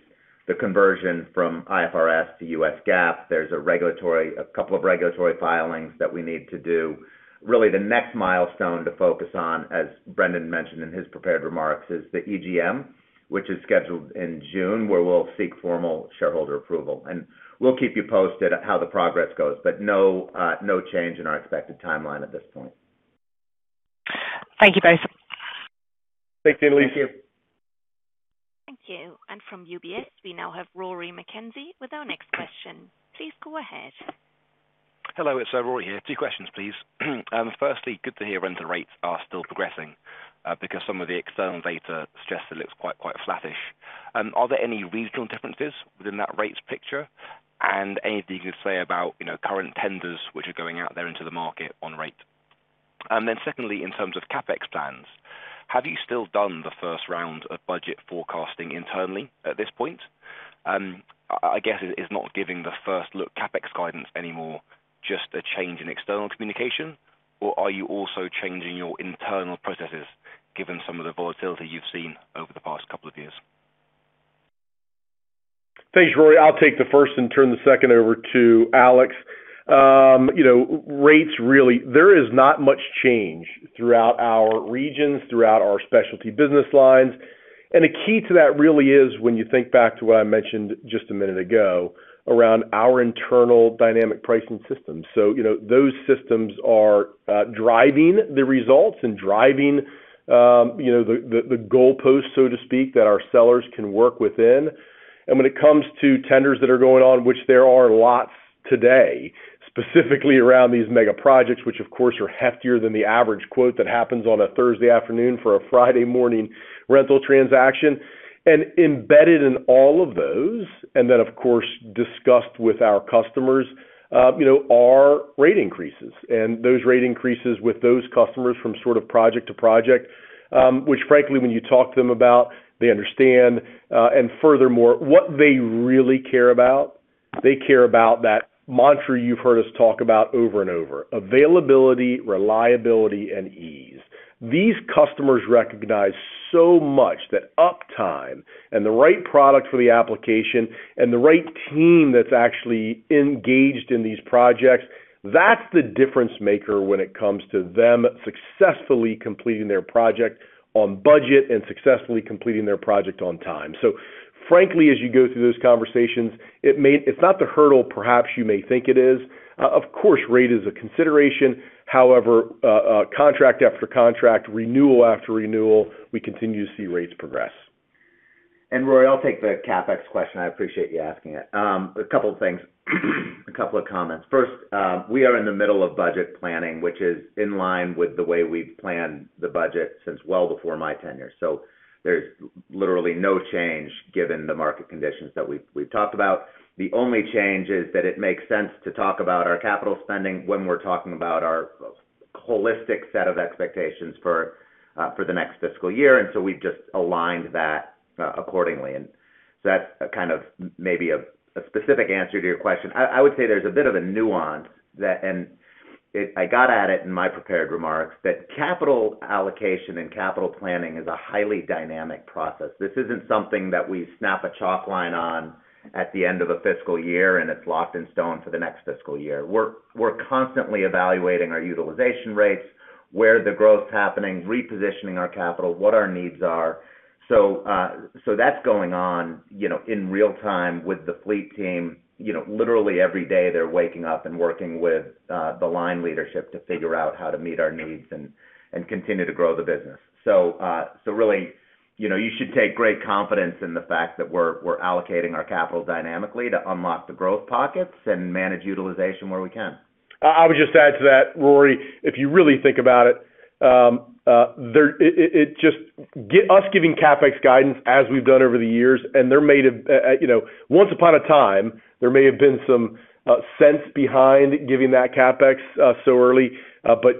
the conversion from IFRS to U.S. GAAP. There's a couple of regulatory filings that we need to do. Really, the next milestone to focus on, as Brendan mentioned in his prepared remarks, is the EGM, which is scheduled in June, where we'll seek formal shareholder approval. And we'll keep you posted on how the progress goes, but no change in our expected timeline at this point. Thank you both. Thanks, Annelise. Thank you. And from UBS, we now have Rory McKenzie with our next question. Please go ahead. Hello. So, Rory here. Two questions, please. Firstly, good to hear rental rates are still progressing because some of the external data suggests it looks quite flattish. Are there any regional differences within that rates picture? And anything you can say about current tenders which are going out there into the market on rate? And then secondly, in terms of CapEx plans, have you still done the first round of budget forecasting internally at this point? I guess it's not giving the first look CapEx guidance anymore, just a change in external communication, or are you also changing your internal processes given some of the volatility you've seen over the past couple of years? Thanks, Rory. I'll take the first and turn the second over to Alex. Rates really, there is not much change throughout our regions, throughout our specialty business lines, and the key to that really is when you think back to what I mentioned just a minute ago around our internal dynamic pricing systems, so those systems are driving the results and driving the goalposts, so to speak, that our sellers can work within, and when it comes to tenders that are going on, which there are lots today, specifically around these megaprojects, which of course are heftier than the average quote that happens on a Thursday afternoon for a Friday morning rental transaction, and embedded in all of those, and then of course discussed with our customers, are rate increases. Those rate increases with those customers from sort of project to project, which frankly, when you talk to them about, they understand. Furthermore, what they really care about, they care about that mantra you've heard us talk about over and over: availability, reliability, and ease. These customers recognize so much that uptime and the right product for the application and the right team that's actually engaged in these projects, that's the difference maker when it comes to them successfully completing their project on budget and successfully completing their project on time. Frankly, as you go through those conversations, it's not the hurdle perhaps you may think it is. Of course, rate is a consideration. However, contract after contract, renewal after renewal, we continue to see rates progress. Rory, I'll take the CapEx question. I appreciate you asking it. A couple of things, a couple of comments. First, we are in the middle of budget planning, which is in line with the way we've planned the budget since well before my tenure. So there's literally no change given the market conditions that we've talked about. The only change is that it makes sense to talk about our capital spending when we're talking about our holistic set of expectations for the next fiscal year. And so we've just aligned that accordingly. And so that's kind of maybe a specific answer to your question. I would say there's a bit of a nuance, and I got at it in my prepared remarks, that capital allocation and capital planning is a highly dynamic process. This isn't something that we snap a chalk line on at the end of a fiscal year and it's locked in stone for the next fiscal year. We're constantly evaluating our utilization rates, where the growth's happening, repositioning our capital, what our needs are. So that's going on in real time with the fleet team. Literally every day, they're waking up and working with the line leadership to figure out how to meet our needs and continue to grow the business. So really, you should take great confidence in the fact that we're allocating our capital dynamically to unlock the growth pockets and manage utilization where we can. I would just add to that, Rory, if you really think about it, it's just us giving CapEx guidance as we've done over the years. And there may have once upon a time, there may have been some sense behind giving that CapEx so early, but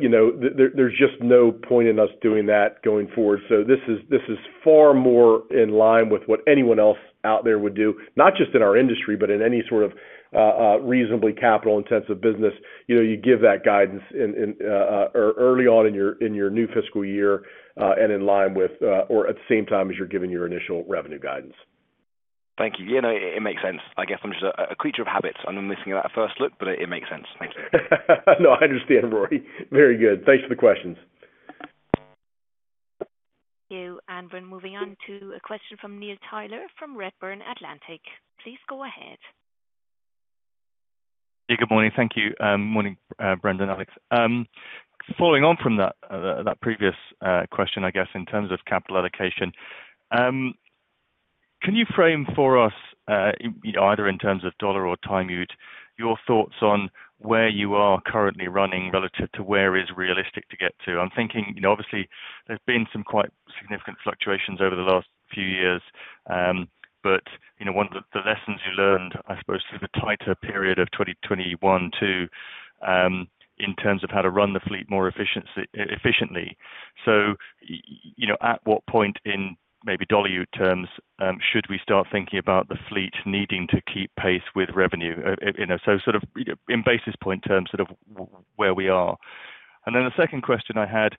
there's just no point in us doing that going forward. So this is far more in line with what anyone else out there would do, not just in our industry, but in any sort of reasonably capital-intensive business. You give that guidance early on in your new fiscal year and in line with or at the same time as you're giving your initial revenue guidance. Thank you. Yeah, no, it makes sense. I guess I'm just a creature of habit. I'm missing that first look, but it makes sense. Thank you. No, I understand, Rory. Very good. Thanks for the questions. Thank you. And we're moving on to a question from Neil Tyler from Redburn Atlantic. Please go ahead. Yeah, good morning. Thank you. Morning, Brendan, Alex. Following on from that previous question, I guess, in terms of capital allocation, can you frame for us, either in terms of dollar or time yield, your thoughts on where you are currently running relative to where it is realistic to get to? I'm thinking, obviously, there's been some quite significant fluctuations over the last few years, but one of the lessons you learned, I suppose, through the tighter period of 2021 too, in terms of how to run the fleet more efficiently. So at what point in maybe dollar yield terms should we start thinking about the fleet needing to keep pace with revenue? So sort of in basis point terms sort of where we are. And then the second question I had,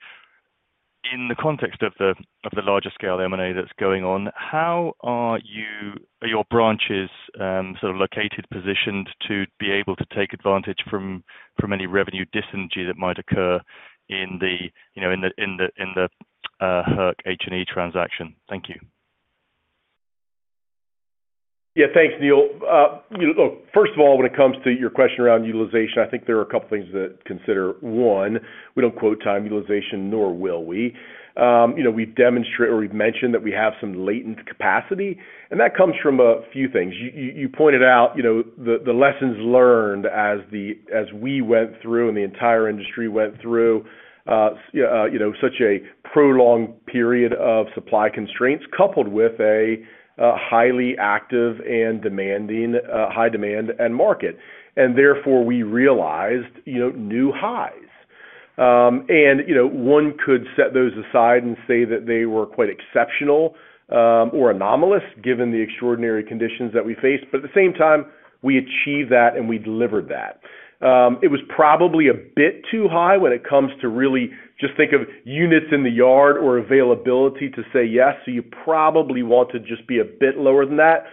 in the context of the larger scale M&A that's going on, how are your branches sort of located, positioned to be able to take advantage from any revenue dyssynergy that might occur in the Herc H&E transaction? Thank you. Yeah, thanks, Neil. Look, first of all, when it comes to your question around utilization, I think there are a couple of things to consider. One, we don't quote time utilization, nor will we. We've demonstrated or we've mentioned that we have some latent capacity. And that comes from a few things. You pointed out the lessons learned as we went through and the entire industry went through such a prolonged period of supply constraints, coupled with a highly active and demanding high demand and market. And therefore, we realized new highs. And one could set those aside and say that they were quite exceptional or anomalous given the extraordinary conditions that we faced. But at the same time, we achieved that and we delivered that. It was probably a bit too high when it comes to really just think of units in the yard or availability to say yes. So you probably want to just be a bit lower than that,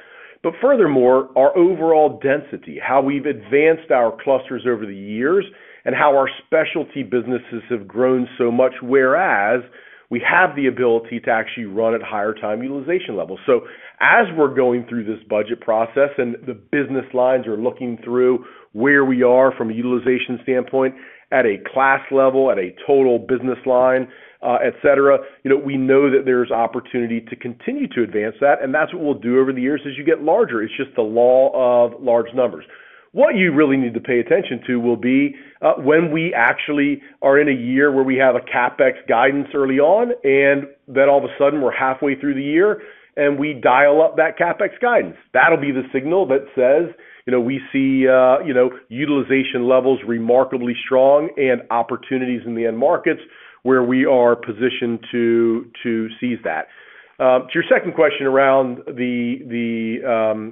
but furthermore, our overall density, how we've advanced our clusters over the years, and how our specialty businesses have grown so much, whereas we have the ability to actually run at higher time utilization levels, so as we're going through this budget process and the business lines are looking through where we are from a utilization standpoint at a class level, at a total business line, etc., we know that there's opportunity to continue to advance that, and that's what we'll do over the years as you get larger. It's just the law of large numbers. What you really need to pay attention to will be when we actually are in a year where we have a CapEx guidance early on, and then all of a sudden we're halfway through the year and we dial up that CapEx guidance. That'll be the signal that says we see utilization levels remarkably strong and opportunities in the end markets where we are positioned to seize that. To your second question around the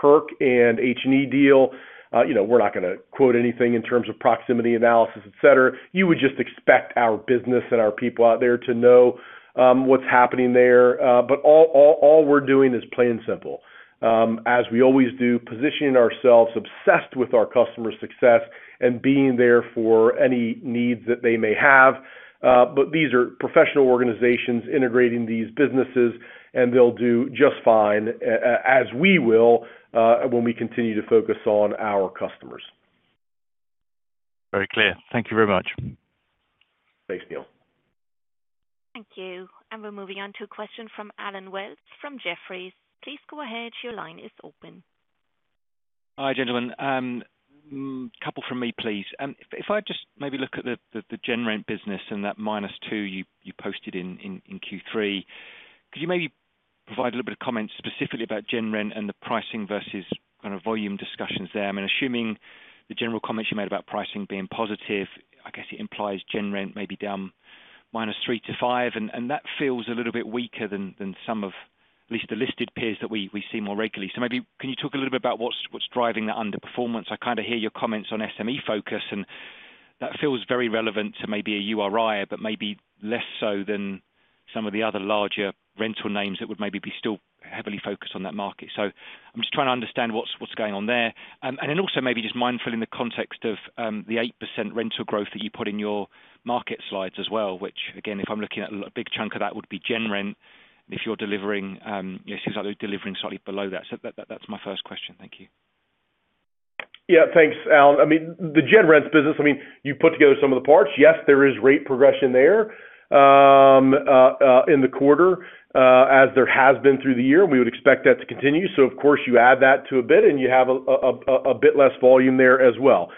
Herc and H&E deal, we're not going to quote anything in terms of proximity analysis, etc. You would just expect our business and our people out there to know what's happening there. But all we're doing is plain and simple, as we always do, positioning ourselves obsessed with our customer success and being there for any needs that they may have. But these are professional organizations integrating these businesses, and they'll do just fine as we will when we continue to focus on our customers. Very clear. Thank you very much. Thanks, Neil. Thank you. And we're moving on to a question from Allen Wells from Jefferies. Please go ahead. Your line is open. Hi, gentlemen. A couple from me, please. If I just maybe look at the gen rent business and that -2 you posted in Q3, could you maybe provide a little bit of comments specifically about gen rent and the pricing versus kind of volume discussions there? I mean, assuming the general comments you made about pricing being positive, I guess it implies gen rent maybe down -3 to -5, and that feels a little bit weaker than some of at least the listed peers that we see more regularly. So maybe can you talk a little bit about what's driving that underperformance? I kind of hear your comments on SME focus, and that feels very relevant to maybe a URI, but maybe less so than some of the other larger rental names that would maybe be still heavily focused on that market. So I'm just trying to understand what's going on there. And then also maybe just mindful in the context of the 8% rental growth that you put in your market slides as well, which again, if I'm looking at a big chunk of that would be gen rent. And if you're delivering, it seems like they're delivering slightly below that. So that's my first question. Thank you. Yeah, thanks, Allen. I mean, the gen rents business, I mean, you put together some of the parts. Yes, there is rate progression there in the quarter as there has been through the year. We would expect that to continue. So of course, you add that to a bit, and you have a bit less volume there as well.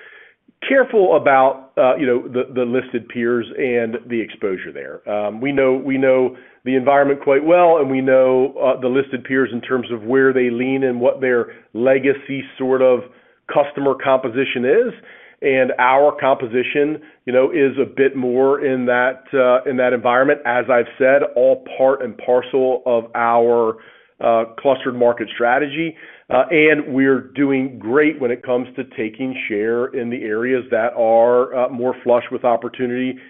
Careful about the listed peers and the exposure there. We know the environment quite well, and we know the listed peers in terms of where they lean and what their legacy sort of customer composition is. And our composition is a bit more in that environment, as I've said, all part and parcel of our clustered market strategy. And we're doing great when it comes to taking share in the areas that are more flush with opportunity and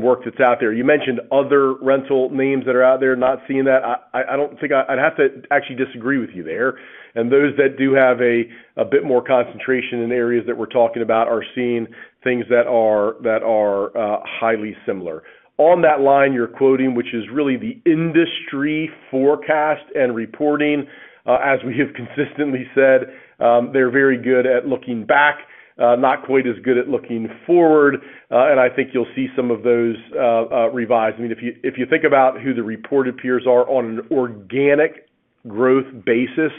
work that's out there. You mentioned other rental names that are out there not seeing that. I don't think I'd have to actually disagree with you there, and those that do have a bit more concentration in areas that we're talking about are seeing things that are highly similar. On that line you're quoting, which is really the industry forecast and reporting, as we have consistently said, they're very good at looking back, not quite as good at looking forward, and I think you'll see some of those revised. I mean, if you think about who the reported peers are on an organic growth basis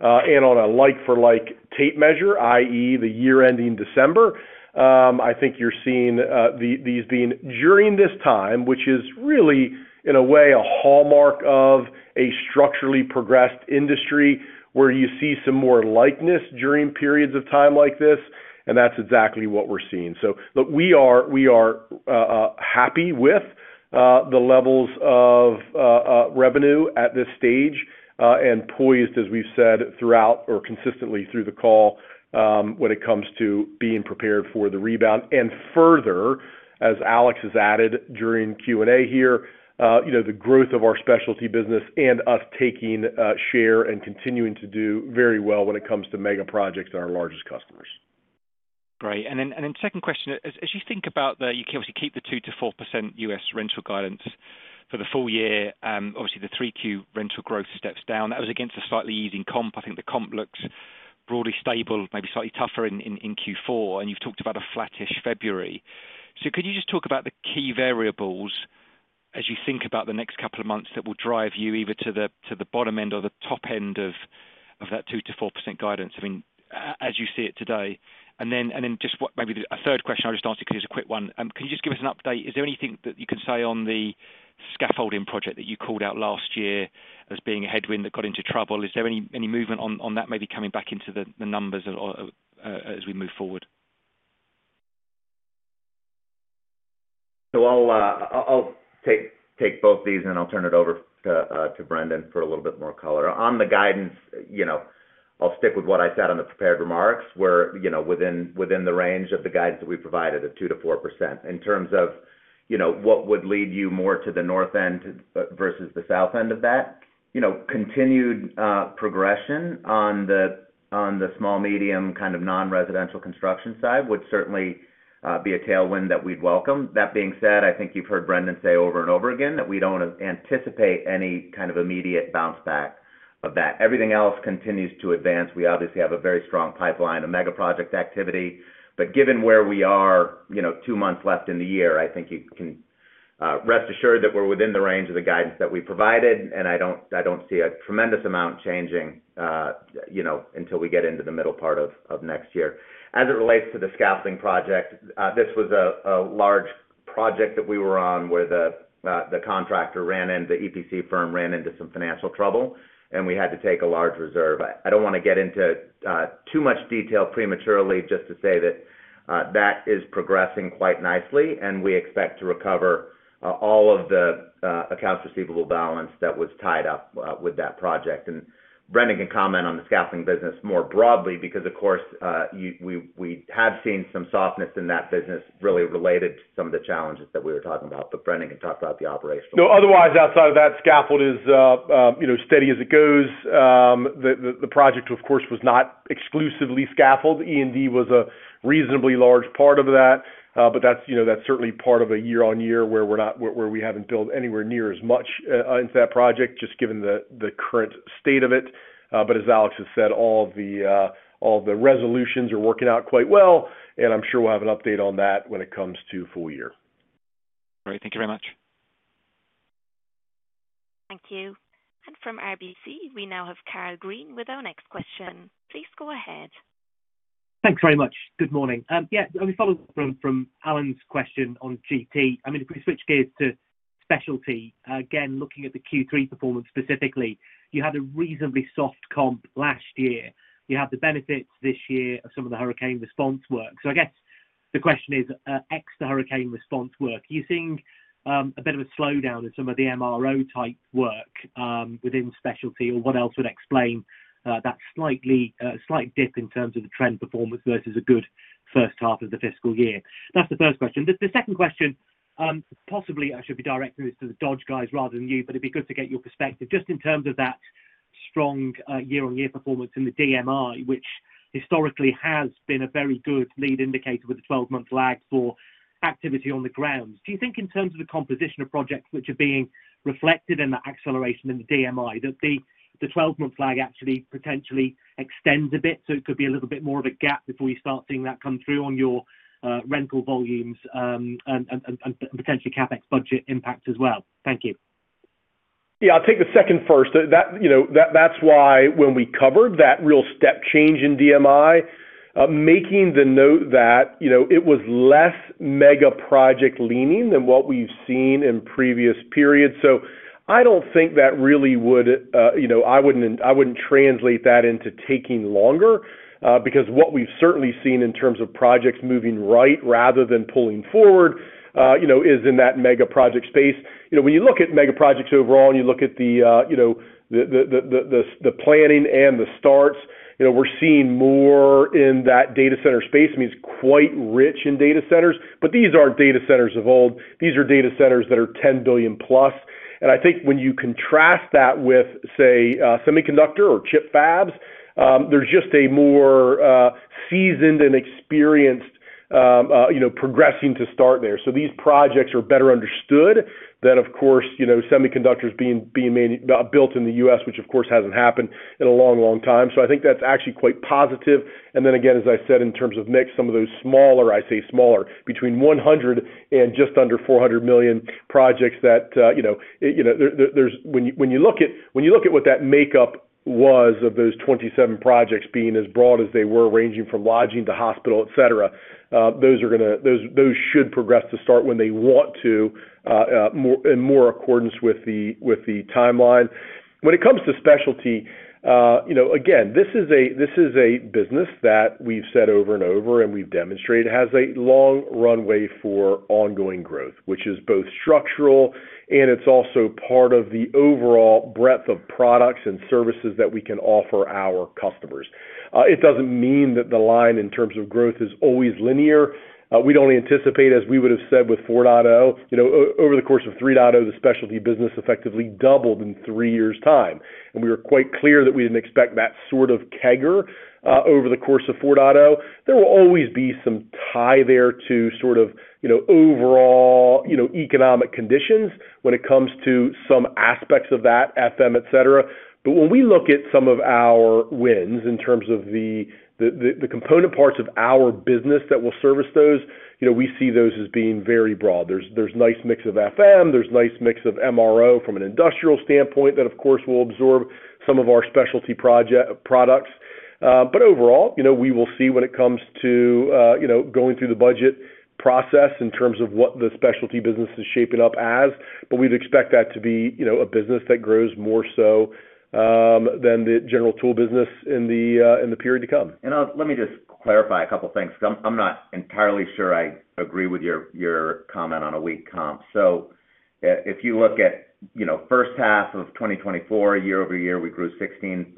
and on a like-for-like tape measure, i.e., the year-ending December, I think you're seeing these being during this time, which is really in a way a hallmark of a structurally progressed industry where you see some more likeness during periods of time like this. That's exactly what we're seeing. Look, we are happy with the levels of revenue at this stage and poised, as we've said, throughout or consistently through the call when it comes to being prepared for the rebound. Further, as Alex has added during Q&A here, the growth of our specialty business and us taking share and continuing to do very well when it comes to mega projects and our largest customers. Great. And then second question, as you think about, you can obviously keep the 2%-4% U.S. rental guidance for the full year. Obviously the 3Q rental growth steps down. That was against a slightly easing comp. I think the comp looks broadly stable, maybe slightly tougher in Q4. And you've talked about a flattish February. So could you just talk about the key variables as you think about the next couple of months that will drive you either to the bottom end or the top end of that 2%-4% guidance, I mean, as you see it today? And then just maybe a third question I'll just ask you because it's a quick one. Can you just give us an update? Is there anything that you can say on the scaffolding project that you called out last year as being a headwind that got into trouble? Is there any movement on that maybe coming back into the numbers as we move forward? So I'll take both these and I'll turn it over to Brendan for a little bit more color. On the guidance, I'll stick with what I said on the prepared remarks where within the range of the guidance that we provided of 2%-4%. In terms of what would lead you more to the north end versus the south end of that, continued progression on the small, medium kind of non-residential construction side would certainly be a tailwind that we'd welcome. That being said, I think you've heard Brendan say over and over again that we don't anticipate any kind of immediate bounce back of that. Everything else continues to advance. We obviously have a very strong pipeline of mega project activity. But given where we are, two months left in the year, I think you can rest assured that we're within the range of the guidance that we provided. And I don't see a tremendous amount changing until we get into the middle part of next year. As it relates to the scaffolding project, this was a large project that we were on where the contractor ran into the EPC firm that ran into some financial trouble, and we had to take a large reserve. I don't want to get into too much detail prematurely, just to say that that is progressing quite nicely, and we expect to recover all of the accounts receivable balance that was tied up with that project. And Brendan can comment on the scaffolding business more broadly because, of course, we have seen some softness in that business really related to some of the challenges that we were talking about, but Brendan can talk about the operational. No, otherwise, outside of that, scaffold is steady as it goes. The project, of course, was not exclusively scaffold. E&D was a reasonably large part of that, but that's certainly part of a year-on-year where we haven't built anywhere near as much into that project just given the current state of it. But as Alex has said, all of the resolutions are working out quite well, and I'm sure we'll have an update on that when it comes to full year. Great. Thank you very much. Thank you. And from RBC, we now have Karl Green with our next question. Please go ahead. Thanks very much. Good morning. Yeah, I'm following from Allen's question on GP. I mean, if we switch gears to specialty, again, looking at the Q3 performance specifically, you had a reasonably soft comp last year. You have the benefits this year of some of the hurricane response work. So I guess the question is, ex the hurricane response work, are you seeing a bit of a slowdown in some of the MRO type work within specialty, or what else would explain that slight dip in terms of the trend performance versus a good first half of the fiscal year? That's the first question. The second question, possibly I should be directing this to the Dodge guys rather than you, but it'd be good to get your perspective just in terms of that strong year-on-year performance in the DMI, which historically has been a very good lead indicator with a 12-month lag for activity on the ground. Do you think in terms of the composition of projects which are being reflected in the acceleration in the DMI that the 12-month lag actually potentially extends a bit? So it could be a little bit more of a gap before you start seeing that come through on your rental volumes and potentially CapEx budget impact as well. Thank you. Yeah, I'll take the second first. That's why when we covered that real step change in DMI, making the note that it was less mega project leaning than what we've seen in previous periods. So I don't think that really would, I wouldn't translate that into taking longer because what we've certainly seen in terms of projects moving right rather than pulling forward is in that mega project space. When you look at mega projects overall and you look at the planning and the starts, we're seeing more in that data center space. I mean, it's quite rich in data centers, but these aren't data centers of old. These are data centers that are 10 billion plus. And I think when you contrast that with, say, semiconductor or chip fabs, there's just a more seasoned and experienced progressing to start there. These projects are better understood than, of course, semiconductors being built in the U.S., which of course hasn't happened in a long, long time. I think that's actually quite positive. Then again, as I said, in terms of mix, some of those smaller, I say smaller, between $100 million and just under $400 million projects that, when you look at what that makeup was of those 27 projects being as broad as they were, ranging from lodging to hospital, etc., those should progress to start when they want to in more accordance with the timeline. When it comes to specialty, again, this is a business that we've said over and over and we've demonstrated has a long runway for ongoing growth, which is both structural, and it's also part of the overall breadth of products and services that we can offer our customers. It doesn't mean that the line in terms of growth is always linear. We'd only anticipate, as we would have said with 4.0, over the course of 3.0, the specialty business effectively doubled in three years' time, and we were quite clear that we didn't expect that sort of kicker over the course of 4.0. There will always be some tie there to sort of overall economic conditions when it comes to some aspects of that FM, etc. But when we look at some of our wins in terms of the component parts of our business that will service those, we see those as being very broad. There's a nice mix of FM. There's a nice mix of MRO from an industrial standpoint that, of course, will absorb some of our specialty products. But overall, we will see when it comes to going through the budget process in terms of what the specialty business is shaping up as. But we'd expect that to be a business that grows more so than the general tool business in the period to come. And let me just clarify a couple of things because I'm not entirely sure I agree with your comment on a weak comp. So if you look at first half of 2024, year-over-year, we grew 16%.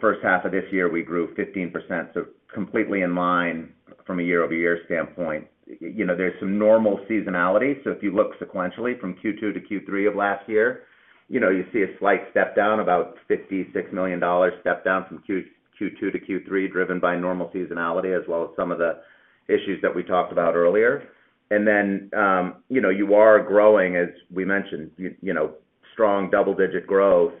First half of this year, we grew 15%. So completely in line from a year-over-year standpoint. There's some normal seasonality. So if you look sequentially from Q2 to Q3 of last year, you see a slight step down, about $56 million step down from Q2 to Q3, driven by normal seasonality as well as some of the issues that we talked about earlier. And then you are growing, as we mentioned, strong double-digit growth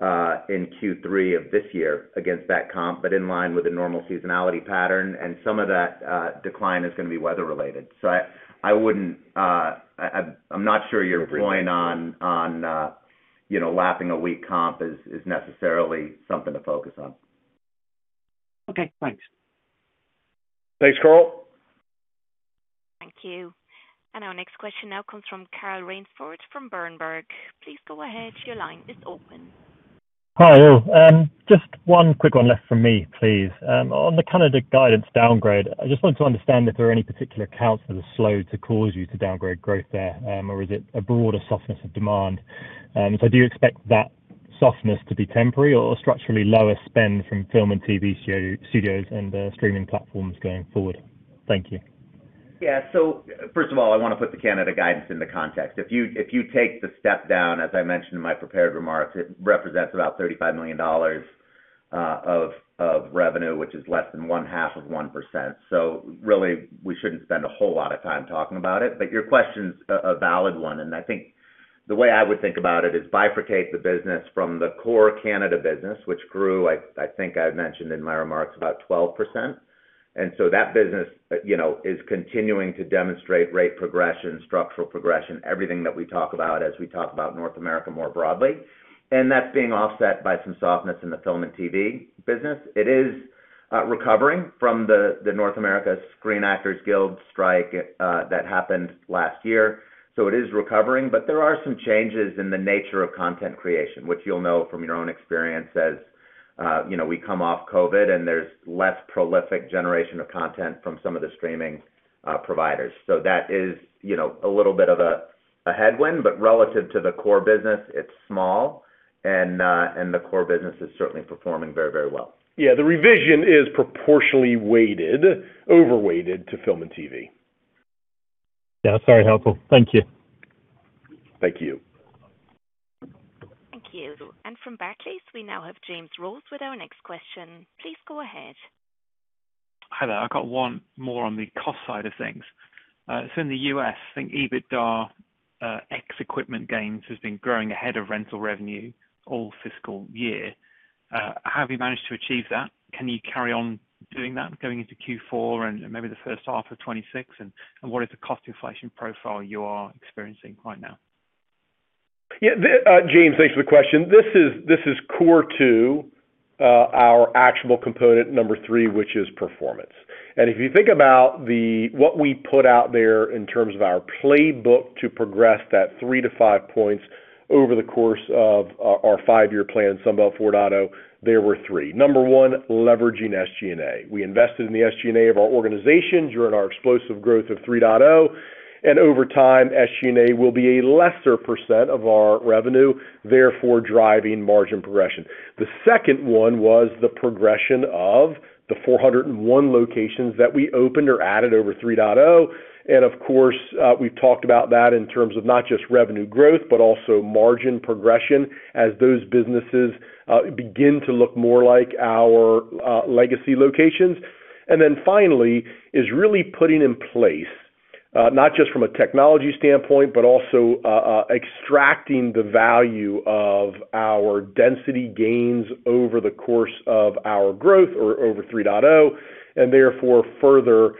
in Q3 of this year against that comp, but in line with a normal seasonality pattern. And some of that decline is going to be weather-related. I'm not sure your point on lapping a weak comp is necessarily something to focus on. Okay. Thanks. Thanks, Karl? Thank you. And our next question now comes from Carl Raynsford from Berenberg. Please go ahead. Your line is open. Hi. Just one quick one left from me, please. On the Canada guidance downgrade, I just wanted to understand if there are any particular accounts that are slow to cause you to downgrade growth there, or is it a broader softness of demand? So do you expect that softness to be temporary or structurally lower spend from film and TV studios and streaming platforms going forward? Thank you. Yeah, so first of all, I want to put the Canada guidance into context. If you take the step down, as I mentioned in my prepared remarks, it represents about $35 million of revenue, which is less than 0.5%. Really, we shouldn't spend a whole lot of time talking about it. Your question's a valid one. I think the way I would think about it is bifurcate the business from the core Canada business, which grew, I think I mentioned in my remarks, about 12%. That business is continuing to demonstrate rate progression, structural progression, everything that we talk about as we talk about North America more broadly. That's being offset by some softness in the film and TV business. It is recovering from the North America Screen Actors Guild strike that happened last year. So it is recovering, but there are some changes in the nature of content creation, which you'll know from your own experience as we come off COVID, and there's less prolific generation of content from some of the streaming providers. So that is a little bit of a headwind, but relative to the core business, it's small, and the core business is certainly performing very, very well. Yeah. The revision is proportionally weighted, overweighted to film and TV. Yeah. Sorry. Helpful. Thank you. Thank you. Thank you. From Barclays, we now have James Rose with our next question. Please go ahead. Hi there. I've got one more on the cost side of things. So in the U.S., I think EBITDA ex-equipment gains has been growing ahead of rental revenue all fiscal year. How have you managed to achieve that? Can you carry on doing that going into Q4 and maybe the first half of 2026? And what is the cost inflation profile you are experiencing right now? Yeah. James, thanks for the question. This is core two, our actual component number three, which is performance, and if you think about what we put out there in terms of our playbook to progress that three to five points over the course of our five-year plan, Sunbelt 4.0, there were three. Number one, leveraging SG&A. We invested in the SG&A of our organization during our explosive growth of 3.0, and over time, SG&A will be a lesser percent of our revenue, therefore driving margin progression. The second one was the progression of the 401 locations that we opened or added over 3.0, and of course, we've talked about that in terms of not just revenue growth, but also margin progression as those businesses begin to look more like our legacy locations. And then finally, is really putting in place not just from a technology standpoint, but also extracting the value of our density gains over the course of our growth or over 3.0, and therefore further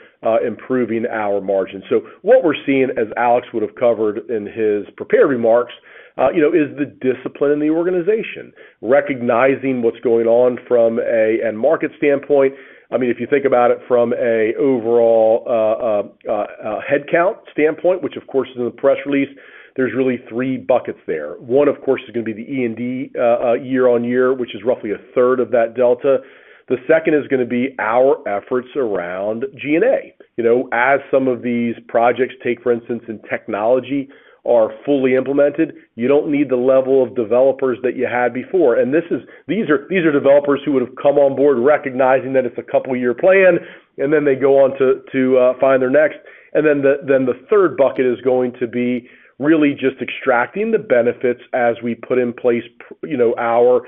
improving our margin. So what we're seeing, as Alex would have covered in his prepared remarks, is the discipline in the organization, recognizing what's going on from a market standpoint. I mean, if you think about it from an overall headcount standpoint, which of course is in the press release, there's really three buckets there. One, of course, is going to be the E&D year-on-year, which is roughly a third of that delta. The second is going to be our efforts around G&A. As some of these projects take, for instance, in technology are fully implemented, you don't need the level of developers that you had before. And these are developers who would have come on board recognizing that it's a couple-year plan, and then they go on to find their next. And then the third bucket is going to be really just extracting the benefits as we put in place our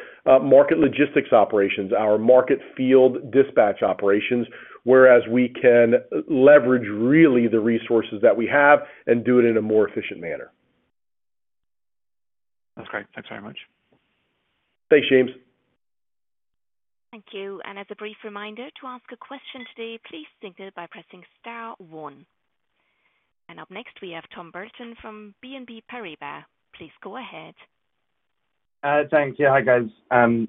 market logistics operations, our market field dispatch operations, whereas we can leverage really the resources that we have and do it in a more efficient manner. That's great. Thanks very much. Thanks, James. Thank you. And as a brief reminder to ask a question today, please press * 1. And up next, we have Tom Burlton from BNP Paribas. Please go ahead. Thanks. Yeah. Hi, guys. And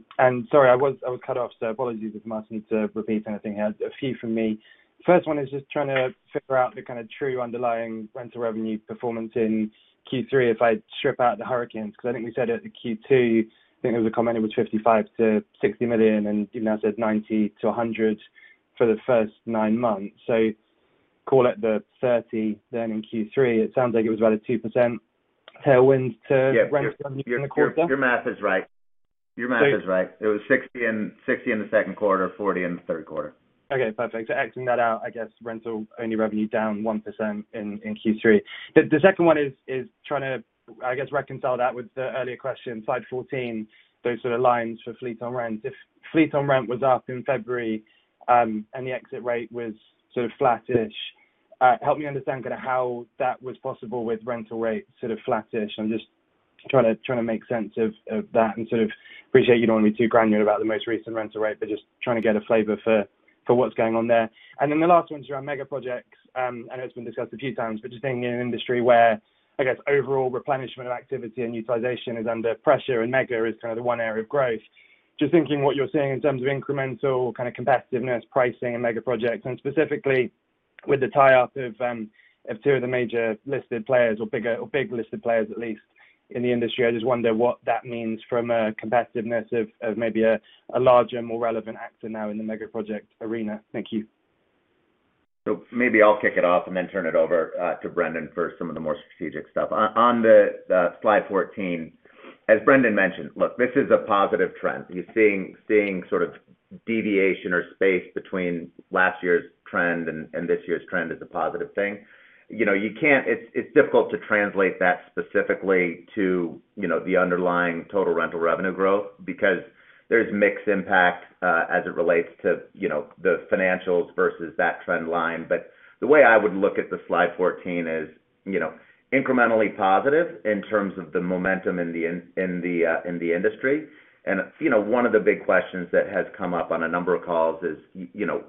sorry, I was cut off, so apologies if I'm asking to repeat anything here. A few from me. First one is just trying to figure out the kind of true underlying rental revenue performance in Q3 if I strip out the hurricanes because I think we said at Q2, I think there was a comment it was $55-60 million, and even I said $90-100 million for the first nine months. So call it the $30 million then in Q3. It sounds like it was about a 2% tailwind to rental revenue in the quarter. Your math is right. Your math is right. It was 60 in the Q2, 40 in the Q3. Okay. Perfect. So crossing that out, I guess, rental-only revenue down 1% in Q3. The second one is trying to, I guess, reconcile that with the earlier question, slide 14, those sort of lines for fleet on rent. If fleet on rent was up in February and the exit rate was sort of flattish, help me understand kind of how that was possible with rental rates sort of flattish. I'm just trying to make sense of that and sort of appreciate you don't want to be too granular about the most recent rental rate, but just trying to get a flavor for what's going on there. And then the last one is around mega projects. I know it's been discussed a few times, but just thinking in an industry where, I guess, overall replenishment of activity and utilization is under pressure, and mega is kind of the one area of growth, just thinking what you're seeing in terms of incremental kind of competitiveness, pricing, and mega projects, and specifically with the tie-up of two of the major listed players or big listed players at least in the industry. I just wonder what that means from a competitiveness of maybe a larger, more relevant actor now in the mega project arena. Thank you. Maybe I'll kick it off and then turn it over to Brendan for some of the more strategic stuff. On the Slide 14, as Brendan mentioned, look, this is a positive trend. You're seeing sort of deviation or space between last year's trend and this year's trend is a positive thing. It's difficult to translate that specifically to the underlying total rental revenue growth because there's mixed impact as it relates to the financials versus that trend line. The way I would look at the Slide 14 is incrementally positive in terms of the momentum in the industry. One of the big questions that has come up on a number of calls is,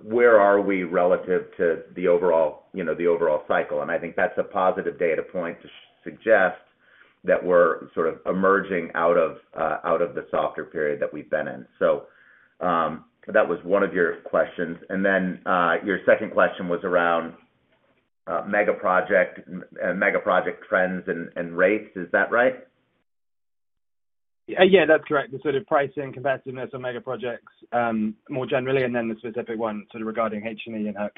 where are we relative to the overall cycle? I think that's a positive data point to suggest that we're sort of emerging out of the softer period that we've been in. That was one of your questions. Then your second question was around mega project trends and rates. Is that right? Yeah. That's correct. The sort of pricing, competitiveness on mega projects more generally, and then the specific one sort of regarding H&E and Herc.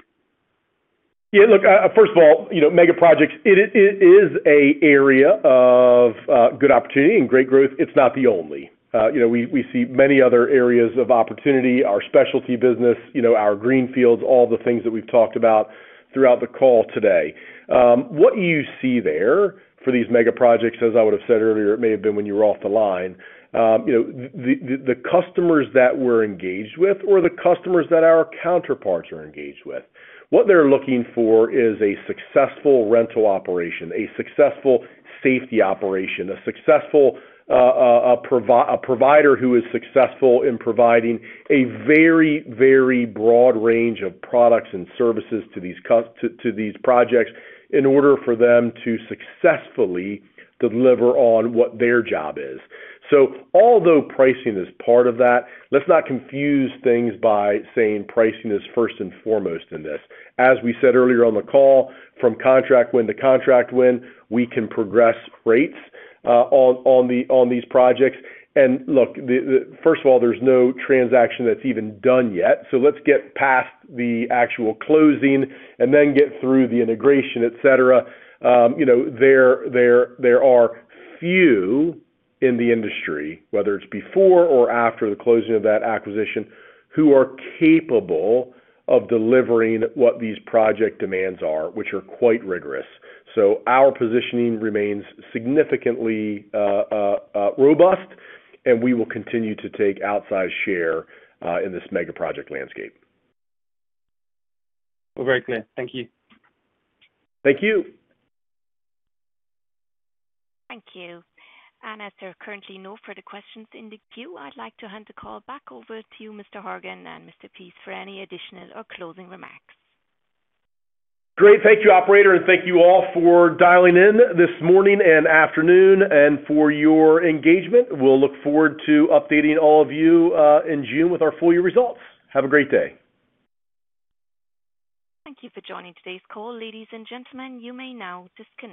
Yeah. Look, first of all, Mega Projects, it is an area of good opportunity and great growth. It's not the only. We see many other areas of opportunity: our Specialty business, our Greenfields, all the things that we've talked about throughout the call today. What you see there for these Mega Projects, as I would have said earlier, it may have been when you were off the line, the customers that we're engaged with or the customers that our counterparts are engaged with, what they're looking for is a successful rental operation, a successful safety operation, a successful provider who is successful in providing a very, very broad range of products and services to these projects in order for them to successfully deliver on what their job is. So although pricing is part of that, let's not confuse things by saying pricing is first and foremost in this. As we said earlier on the call, from contract win to contract win, we can progress rates on these projects. And look, first of all, there's no transaction that's even done yet. So let's get past the actual closing and then get through the integration, etc. There are few in the industry, whether it's before or after the closing of that acquisition, who are capable of delivering what these project demands are, which are quite rigorous. So our positioning remains significantly robust, and we will continue to take outsized share in this mega project landscape. All very clear. Thank you. Thank you. Thank you. And as there are currently no further questions in the queue, I'd like to hand the call back over to you, Mr. Horgan and Mr. Pease, for any additional or closing remarks. Great. Thank you, operator. And thank you all for dialing in this morning and afternoon and for your engagement. We'll look forward to updating all of you in June with our full year results. Have a great day. Thank you for joining today's call. Ladies and gentlemen, you may now disconnect.